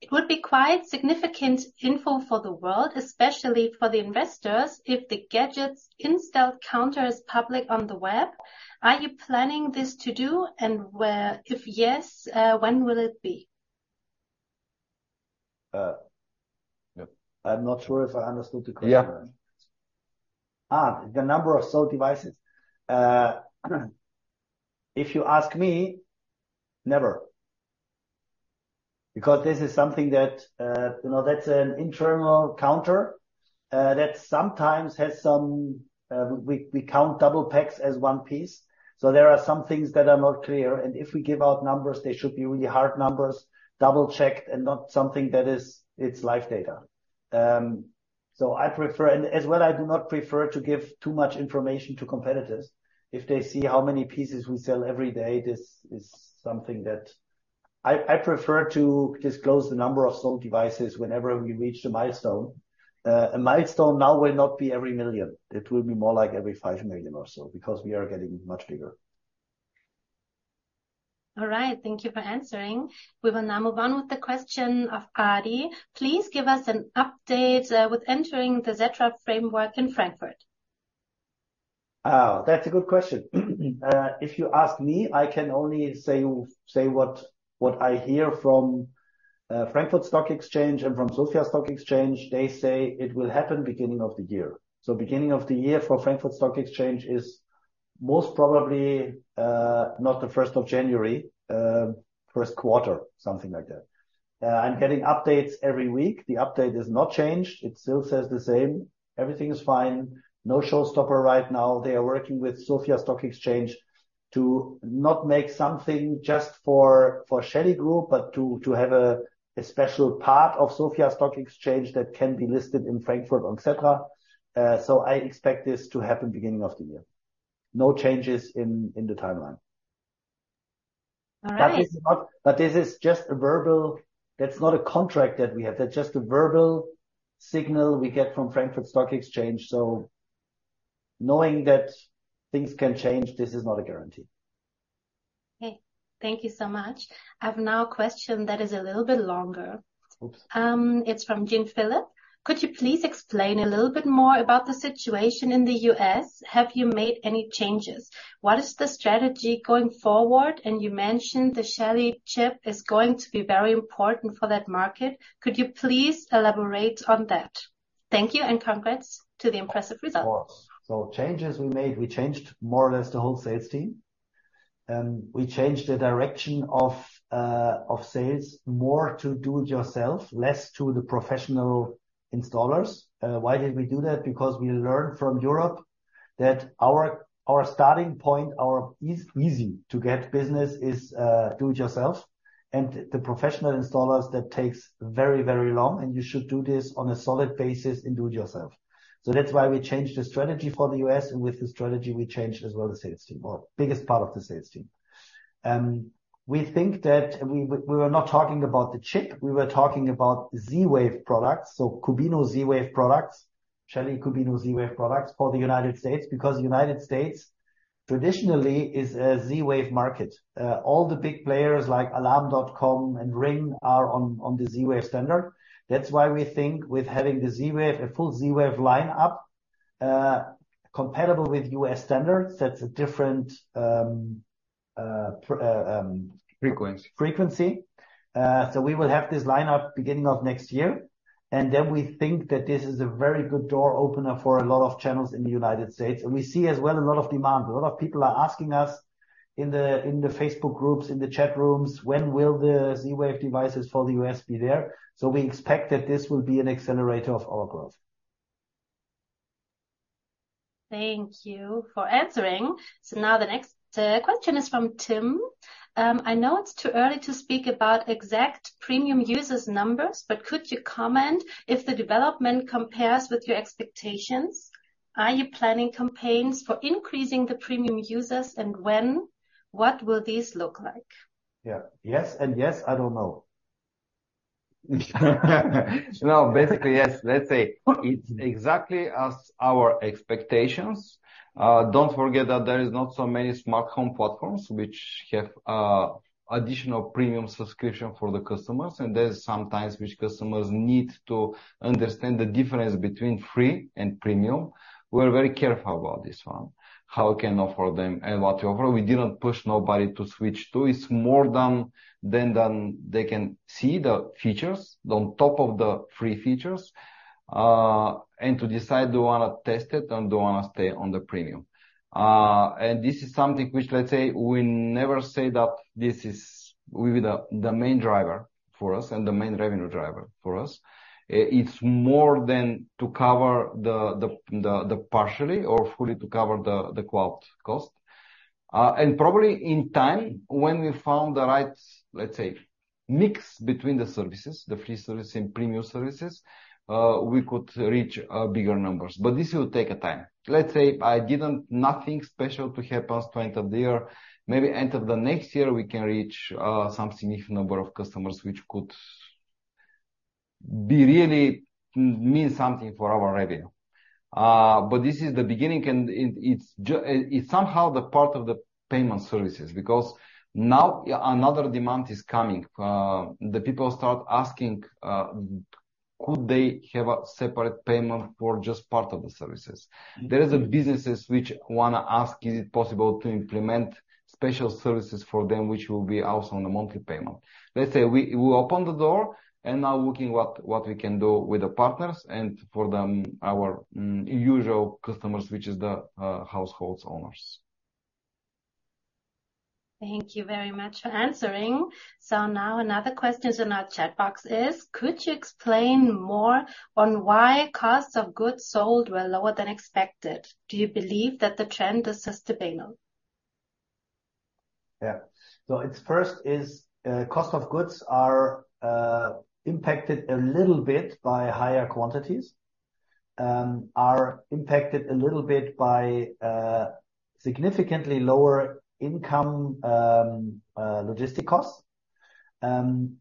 It would be quite significant info for the world, especially for the investors, if the gadgets installed counter is public on the web. Are you planning this to do, and where-- If yes, when will it be? Yep. I'm not sure if I understood the question. Yeah. The number of sold devices. If you ask me, never. Because this is something that, you know, that's an internal counter, that sometimes has some... We count double packs as one piece. So there are some things that are not clear, and if we give out numbers, they should be really hard numbers, double-checked, and not something that is its live data. So I prefer. And as well, I do not prefer to give too much information to competitors. If they see how many pieces we sell every day, this is something that I prefer to disclose the number of sold devices whenever we reach a milestone. A milestone now will not be every million. It will be more like every 5 million or so, because we are getting much bigger. All right. Thank you for answering. We will now move on with the question of Ari. Please give us an update with entering the Xetra framework in Frankfurt. Oh, that's a good question. If you ask me, I can only say what I hear from Frankfurt Stock Exchange and from Sofia Stock Exchange. They say it will happen beginning of the year. So beginning of the year for Frankfurt Stock Exchange is most probably not the first of January, first quarter, something like that. I'm getting updates every week. The update is not changed. It still says the same. Everything is fine. No showstopper right now. They are working with Sofia Stock Exchange to not make something just for Shelly Group, but to have a special part of Sofia Stock Exchange that can be listed in Frankfurt, et cetera. So I expect this to happen beginning of the year. No changes in the timeline. All right. But this is just a verbal... That's not a contract that we have. That's just a verbal signal we get from Frankfurt Stock Exchange. So knowing that things can change, this is not a guarantee. Okay. Thank you so much. I have now a question that is a little bit longer. Oops. It's from Jim Phillip. Could you please explain a little bit more about the situation in the U.S.? Have you made any changes? What is the strategy going forward? And you mentioned the Shelly chip is going to be very important for that market. Could you please elaborate on that? Thank you, and congrats to the impressive results. Of course. So changes we made, we changed more or less the whole sales team, and we changed the direction of, of sales more to do it yourself, less to the professional installers. Why did we do that? Because we learned from Europe that our, our starting point, our easy to get business is, do it yourself. And the professional installers, that takes very, very long, and you should do this on a solid basis and do it yourself. So that's why we changed the strategy for the U.S., and with the strategy, we changed as well, the sales team, our biggest part of the sales team. We think that we, we were not talking about the chip, we were talking about Z-Wave products, so Qubino Z-Wave products, Shelly Qubino Z-Wave products for the United States, because United States traditionally is a Z-Wave market. All the big players like Alarm.com and Ring are on the Z-Wave standard. That's why we think with having the Z-Wave, a full Z-Wave lineup, compatible with U.S. standards, that's a different. Frequency. Frequency. So we will have this lineup beginning of next year, and then we think that this is a very good door opener for a lot of channels in the United States. And we see as well a lot of demand. A lot of people are asking us in the, in the Facebook groups, in the chat rooms, "When will the Z-Wave devices for the US be there?" So we expect that this will be an accelerator of our growth. Thank you for answering. So now the next question is from Tim. I know it's too early to speak about exact premium users numbers, but could you comment if the development compares with your expectations? Are you planning campaigns for increasing the premium users, and when? What will these look like? Yeah. Yes, and yes, I don't know. No, basically, yes. Let's say it's exactly as our expectations. Don't forget that there is not so many smart home platforms which have additional premium subscription for the customers, and there's sometimes which customers need to understand the difference between free and premium. We're very careful about this one, how we can offer them and what to offer. We didn't push nobody to switch to. It's more than they can see the features on top of the free features, and to decide, do you wanna test it, and do you wanna stay on the premium? And this is something which, let's say, we never say that this is will be the main driver for us and the main revenue driver for us. It's more than to cover the partially or fully to cover the cloud cost. And probably in time, when we found the right, let's say, mix between the services, the free service and premium services, we could reach bigger numbers, but this will take a time. Let's say I didn't nothing special to help us to end of the year. Maybe end of the next year, we can reach some significant number of customers, which could be really mean something for our revenue. But this is the beginning, and it's somehow the part of the payment services, because now another demand is coming. The people start asking, could they have a separate payment for just part of the services? There is a businesses which wanna ask, is it possible to implement special services for them, which will be also on a monthly payment. Let's say we open the door and now looking what we can do with the partners and for them, our usual customers, which is the household owners. Thank you very much for answering. So now another question in our chat box is: Could you explain more on why cost of goods sold were lower than expected? Do you believe that the trend is sustainable? Yeah. So it's, first, cost of goods are impacted a little bit by higher quantities, are impacted a little bit by significantly lower incoming logistics costs. And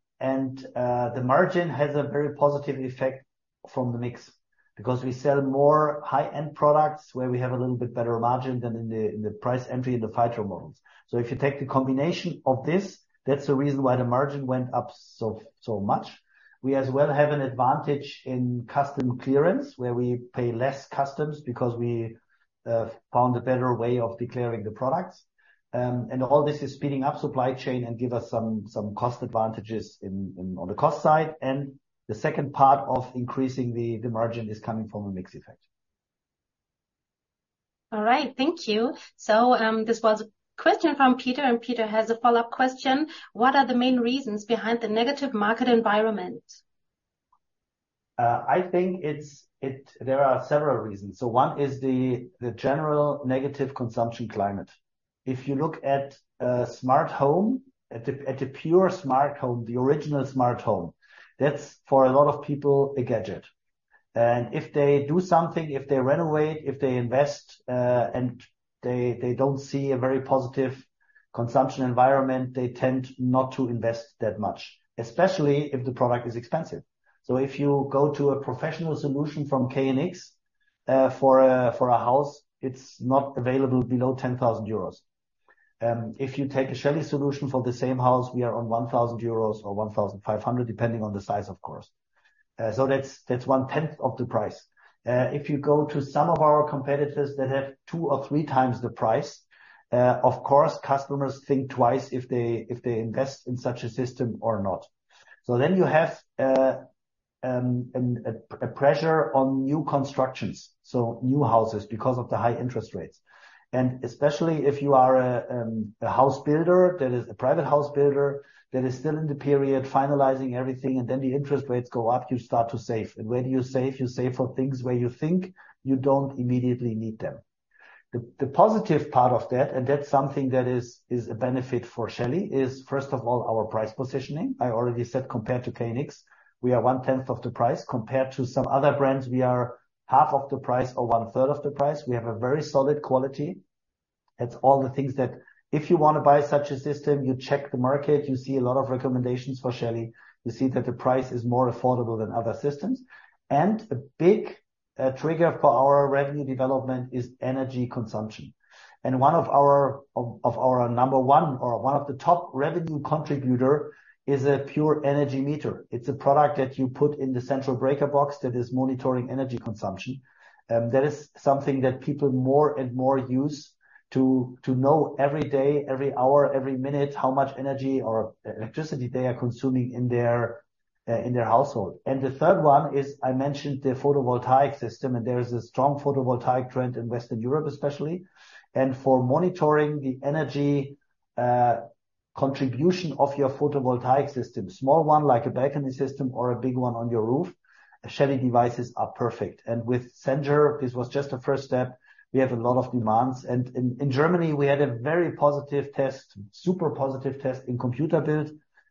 the margin has a very positive effect from the mix, because we sell more high-end products where we have a little bit better margin than in the, in the price entry, in the Fito models. So if you take the combination of this, that's the reason why the margin went up so, so much. We as well have an advantage in customs clearance, where we pay less customs because we found a better way of declaring the products. And all this is speeding up supply chain and give us some, some cost advantages in, in, on the cost side. The second part of increasing the margin is coming from a mix effect. All right, thank you. So, this was a question from Peter, and Peter has a follow-up question: What are the main reasons behind the negative market environment? I think it. There are several reasons. So one is the general negative consumption climate. If you look at a smart home, a pure smart home, the original smart home, that's for a lot of people, a gadget. And if they do something, if they renovate, if they invest, and they don't see a very positive consumption environment, they tend not to invest that much, especially if the product is expensive. So if you go to a professional solution from KNX, for a house, it's not available below 10,000 euros. If you take a Shelly solution for the same house, we are on 1,000 euros or 1,500 EUR, depending on the size, of course. So that's 1/10 of the price. If you go to some of our competitors that have two or three times the price, of course, customers think twice if they invest in such a system or not. So then you have a pressure on new constructions, so new houses, because of the high interest rates. And especially if you are a house builder, that is a private house builder, that is still in the period finalizing everything, and then the interest rates go up, you start to save. And when you save, you save for things where you think you don't immediately need them. The positive part of that, and that's something that is a benefit for Shelly, is, first of all, our price positioning. I already said compared to KNX, we are one-tenth of the price. Compared to some other brands, we are half of the price or one-third of the price. We have a very solid quality. It's all the things that if you wanna buy such a system, you check the market, you see a lot of recommendations for Shelly. You see that the price is more affordable than other systems. And a big trigger for our revenue development is energy consumption. And one of our number one or one of the top revenue contributor is a pure energy meter. It's a product that you put in the central breaker box that is monitoring energy consumption. That is something that people more and more use to know every day, every hour, every minute, how much energy or electricity they are consuming in their household. And the third one is, I mentioned, the photovoltaic system, and there is a strong photovoltaic trend in Western Europe, especially. And for monitoring the energy contribution of your photovoltaic system, small one like a balcony system or a big one on your roof, Shelly devices are perfect. And with Zendure, this was just a first step. We have a lot of demands. And in Germany, we had a very positive test, super positive test in computer build,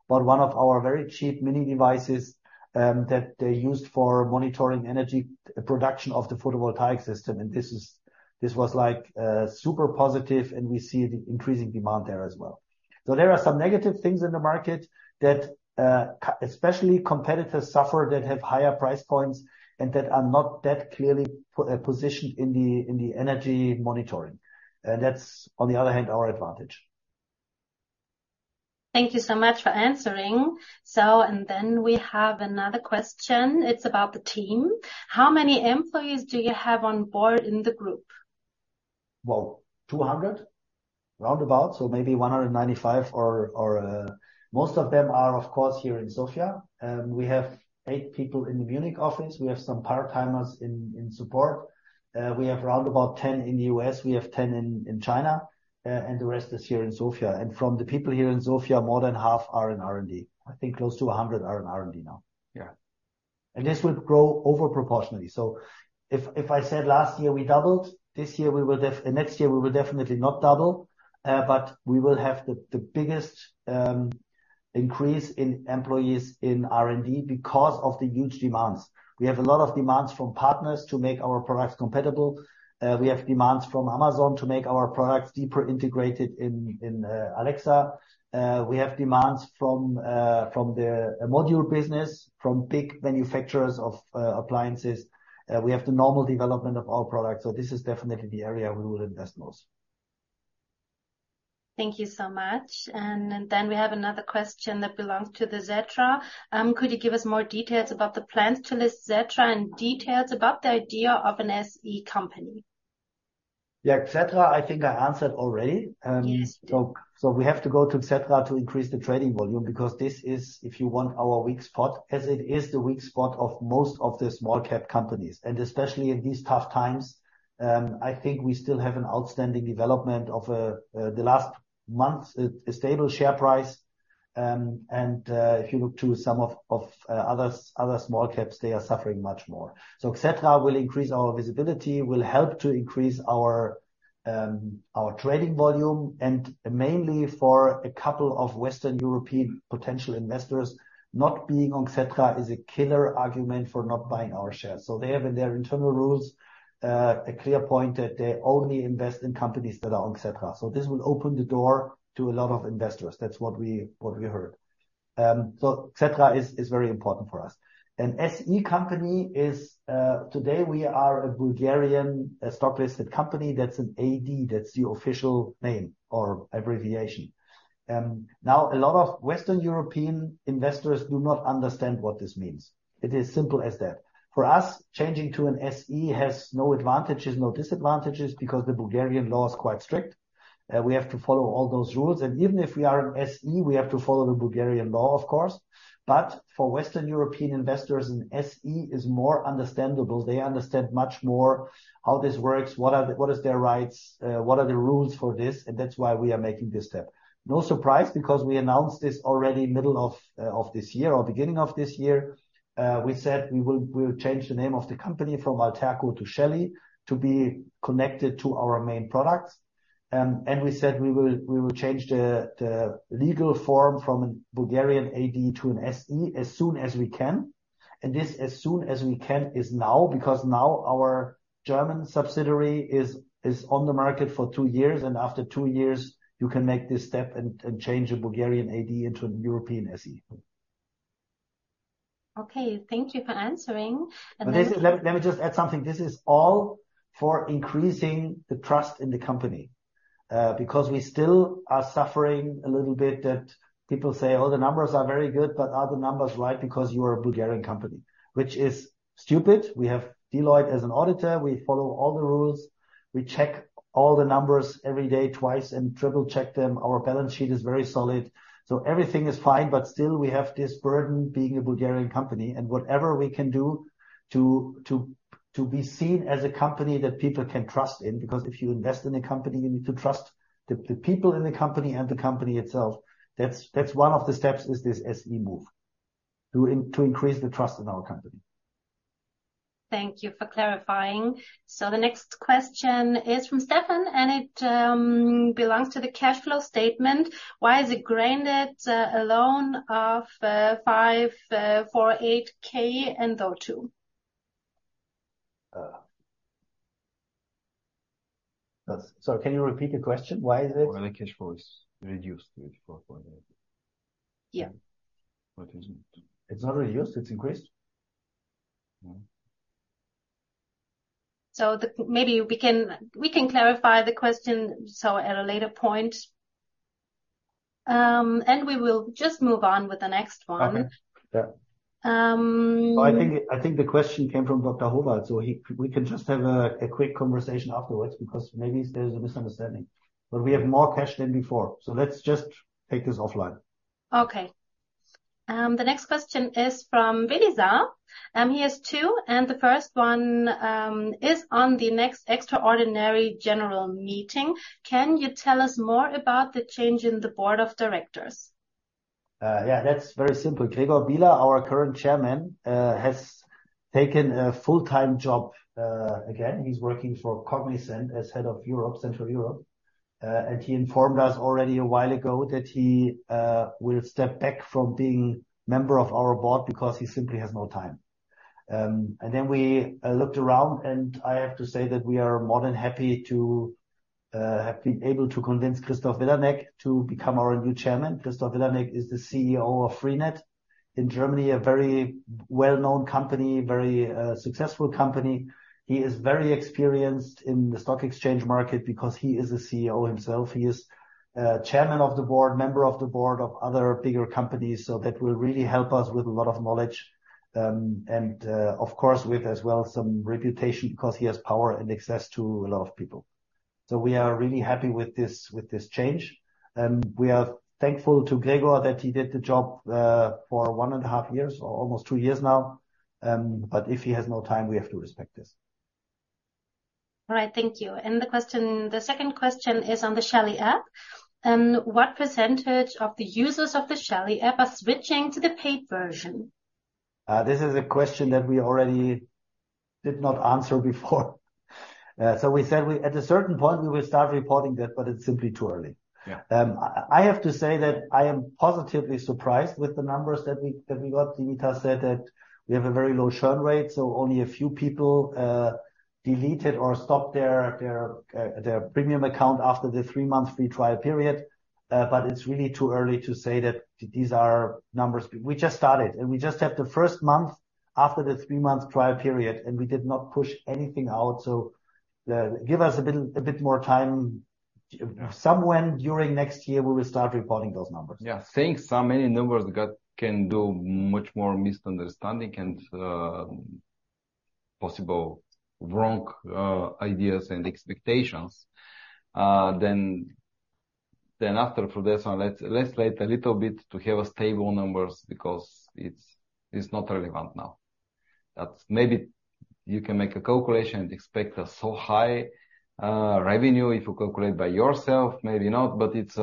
but one of our very cheap mini devices that they used for monitoring energy production of the photovoltaic system, and this is. This was like, super positive, and we see the increasing demand there as well. So there are some negative things in the market that especially competitors suffer, that have higher price points and that are not that clearly positioned in the, in the energy monitoring. And that's, on the other hand, our advantage. Thank you so much for answering. So, and then we have another question. It's about the team. How many employees do you have on board in the group? Well, 200, roundabout, so maybe 195 or most of them are, of course, here in Sofia. We have 8 people in the Munich office. We have some part-timers in support. We have round about 10 in the US, we have 10 in China, and the rest is here in Sofia. And from the people here in Sofia, more than half are in R&D. I think close to 100 are in R&D now. Yeah. And this will grow over proportionally. So if I said last year we doubled, this year we will def-- and next year we will definitely not double, but we will have the biggest increase in employees in R&D because of the huge demands. We have a lot of demands from partners to make our products compatible. We have demands from Amazon to make our products deeper integrated in Alexa. We have demands from the module business, from big manufacturers of appliances. We have the normal development of our products, so this is definitely the area we will invest most. Thank you so much. Then we have another question that belongs to the Xetra. Could you give us more details about the plans to list Xetra and details about the idea of an SE company? Yeah, Xetra, I think I answered already. Yes. So we have to go to Xetra to increase the trading volume, because this is, if you want, our weak spot, as it is the weak spot of most of the small cap companies. Especially in these tough times, I think we still have an outstanding development of the last month, a stable share price. And if you look to some of the other small caps, they are suffering much more. So Xetra will increase our visibility, will help to increase our trading volume, and mainly for a couple of Western European potential investors. Not being on Xetra is a killer argument for not buying our shares. So they have in their internal rules a clear point that they only invest in companies that are on Xetra. So this will open the door to a lot of investors. That's what we heard. So Xetra is very important for us. An SE company is today we are a Bulgarian stock-listed company. That's an AD, that's the official name or abbreviation. Now, a lot of Western European investors do not understand what this means. It is simple as that. For us, changing to an SE has no advantages, no disadvantages, because the Bulgarian law is quite strict. We have to follow all those rules, and even if we are an SE, we have to follow the Bulgarian law, of course. But for Western European investors, an SE is more understandable. They understand much more how this works, what are their rights, what are the rules for this, and that's why we are making this step. No surprise, because we announced this already middle of this year or beginning of this year. We said we will change the name of the company from Allterco to Shelly to be connected to our main products. And we said we will change the legal form from a Bulgarian AD to an SE as soon as we can. And this as soon as we can is now, because now our German subsidiary is on the market for two years, and after two years, you can make this step and change a Bulgarian AD into an European SE. Okay, thank you for answering. And then- Let me just add something. This is all for increasing the trust in the company, because we still are suffering a little bit that people say, "Oh, the numbers are very good, but are the numbers right because you are a Bulgarian company?" Which is stupid. We have Deloitte as an auditor. We follow all the rules. We check all the numbers every day twice and triple-check them. Our balance sheet is very solid, so everything is fine, but still we have this burden being a Bulgarian company. And whatever we can do to be seen as a company that people can trust in, because if you invest in a company, you need to trust the people in the company and the company itself. That's one of the steps, is this SE move, to increase the trust in our company. Thank you for clarifying. So the next question is from Stefan, and it belongs to the cash flow statement. Why is it granted a loan of 548K and O2? Sorry, can you repeat the question? Why the cash flow is reduced to EUR 4.8. Yeah. But it's not reduced, it's increased. No. Maybe we can clarify the question, so at a later point. And we will just move on with the next one. Okay. Yeah. Um- I think the question came from Dr. Hubart, so he, we can just have a quick conversation afterwards, because maybe there's a misunderstanding. But we have more cash than before, so let's just take this offline. Okay. The next question is from Velizar, and he has two, and the first one is on the next extraordinary general meeting. Can you tell us more about the change in the board of directors? Yeah, that's very simple. Gregor Bieler, our current chairman, has taken a full-time job. Again, he's working for Cognizant as head of Central Europe, and he informed us already a while ago that he will step back from being member of our board because he simply has no time. And then we looked around, and I have to say that we are more than happy to have been able to convince Christoph Vilanek to become our new chairman. Christoph Vilanek is the CEO of Freenet. In Germany, a very well-known company, very successful company. He is very experienced in the stock exchange market because he is a CEO himself. He is chairman of the board, member of the board of other bigger companies, so that will really help us with a lot of knowledge, and, of course, with as well, some reputation because he has power and access to a lot of people. So we are really happy with this, with this change, and we are thankful to Gregor that he did the job for one and a half years or almost two years now. But if he has no time, we have to respect this. ... All right, thank you. The question, the second question is on the Shelly app. What percentage of the users of the Shelly app are switching to the paid version? This is a question that we already did not answer before. So we said at a certain point, we will start reporting that, but it's simply too early. Yeah. I have to say that I am positively surprised with the numbers that we got. Dimitar said that we have a very low churn rate, so only a few people deleted or stopped their premium account after the three-month free trial period. But it's really too early to say that these are numbers. We just started, and we just have the first month after the three-month trial period, and we did not push anything out. So, give us a little, a bit more time. Somewhen during next year, we will start reporting those numbers. Yeah. Saying so many numbers can do much more misunderstanding and possible wrong ideas and expectations, then after for this one, let's wait a little bit to have stable numbers because it's not relevant now. That maybe you can make a calculation and expect a so high revenue if you calculate by yourself, maybe not, but it's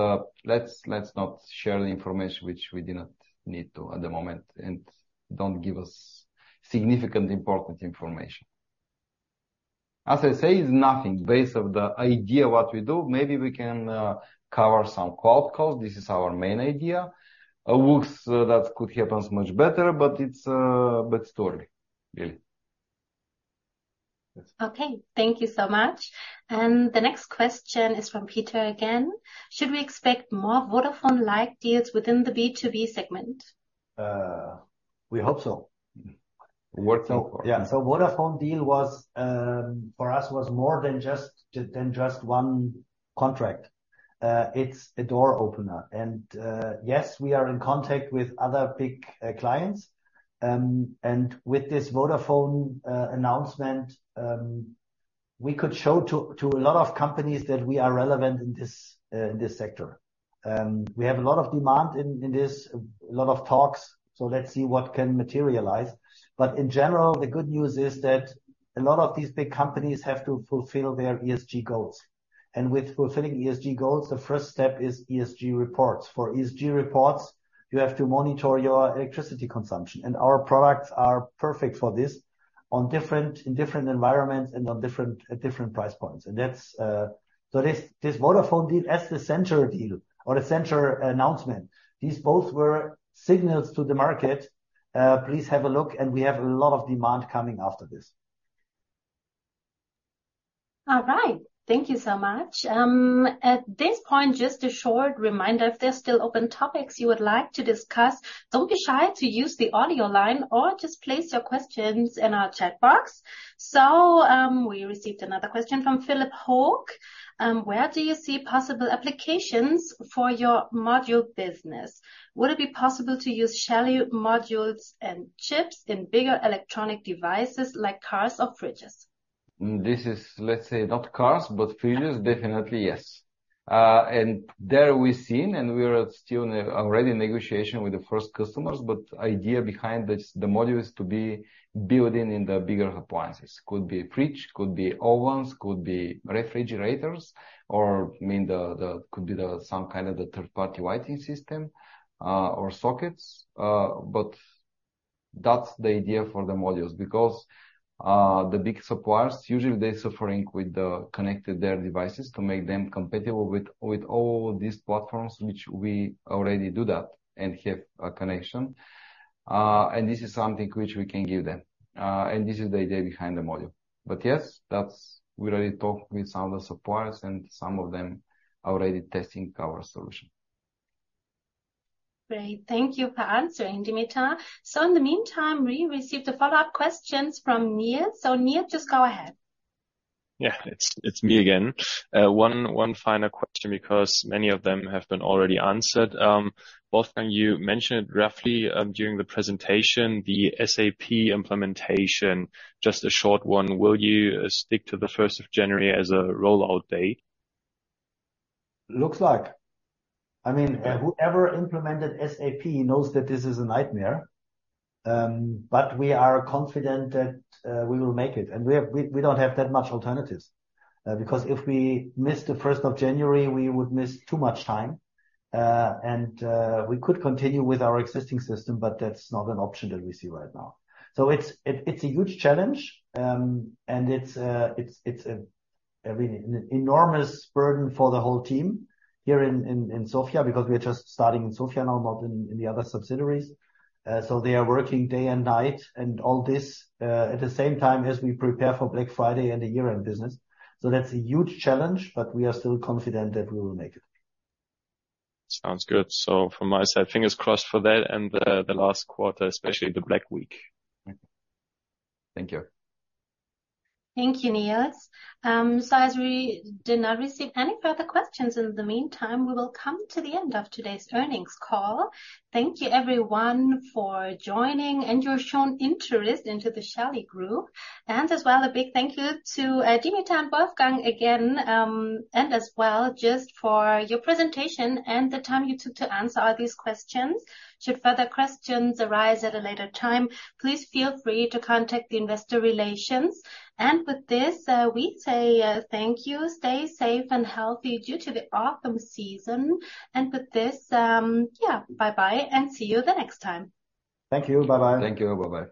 let's not share the information which we do not need to at the moment, and don't give us significant important information. As I say, it's nothing based on the idea what we do. Maybe we can cover some cloud costs. This is our main idea. Looks that could happens much better, but it's a bad story, really. Okay, thank you so much. The next question is from Peter again. Should we expect more Vodafone-like deals within the B2B segment? We hope so. Working for it. Yeah, so Vodafone deal was, for us, was more than just, than just one contract. It's a door opener. And, yes, we are in contact with other big, clients. And with this Vodafone, announcement, we could show to, to a lot of companies that we are relevant in this, in this sector. We have a lot of demand in, in this, a lot of talks, so let's see what can materialize. But in general, the good news is that a lot of these big companies have to fulfill their ESG goals. And with fulfilling ESG goals, the first step is ESG reports. For ESG reports, you have to monitor your electricity consumption, and our products are perfect for this on different- in different environments and on different, at different price points. And that's... So this, this Vodafone deal, as the center deal or the center announcement, these both were signals to the market. Please have a look, and we have a lot of demand coming after this. All right. Thank you so much. At this point, just a short reminder, if there are still open topics you would like to discuss, don't be shy to use the audio line or just place your questions in our chat box. So, we received another question from Philip Hawk. Where do you see possible applications for your module business? Would it be possible to use Shelly modules and chips in bigger electronic devices like cars or fridges? This is, let's say, not cars, but fridges, definitely yes. And there we've seen, and we are still already in negotiation with the first customers, but idea behind this, the module is to be building in the bigger appliances. Could be a fridge, could be ovens, could be refrigerators, or, I mean, the, the could be the some kind of the third-party lighting system, or sockets. But that's the idea for the modules, because, the big suppliers, usually they're suffering with the connected their devices to make them compatible with, with all these platforms, which we already do that and have a connection. And this is something which we can give them. And this is the idea behind the module. But yes, that's we already talked with some of the suppliers, and some of them are already testing our solution. Great. Thank you for answering, Dimitar. So in the meantime, we received a follow-up questions from Neil. So, Neil, just go ahead. Yeah, it's me again. One final question because many of them have been already answered. Wolfgang, you mentioned it roughly during the presentation, the SAP implementation. Just a short one, will you stick to the first of January as a rollout date? Looks like. I mean, whoever implemented SAP knows that this is a nightmare. But we are confident that we will make it. And we have—we don't have that much alternatives, because if we miss the first of January, we would miss too much time. And we could continue with our existing system, but that's not an option that we see right now. So it's a huge challenge, and it's a really an enormous burden for the whole team here in Sofia, because we are just starting in Sofia now, not in the other subsidiaries. So they are working day and night and all this at the same time as we prepare for Black Friday and the year-end business. So that's a huge challenge, but we are still confident that we will make it. Sounds good. So from my side, fingers crossed for that and the last quarter, especially the Black Week. Thank you. Thank you. [inaudible] So as we did not receive any further questions in the meantime, we will come to the end of today's earnings call. Thank you everyone for joining and your shown interest into the Shelly Group. And as well, a big thank you to, Dimitar and Wolfgang again, and as well, just for your presentation and the time you took to answer all these questions. Should further questions arise at a later time, please feel free to contact the Investor Relations. And with this, we say, thank you. Stay safe and healthy due to the autumn season. And with this, yeah, bye-bye, and see you the next time. Thank you. Bye-bye. Thank you. Bye-bye.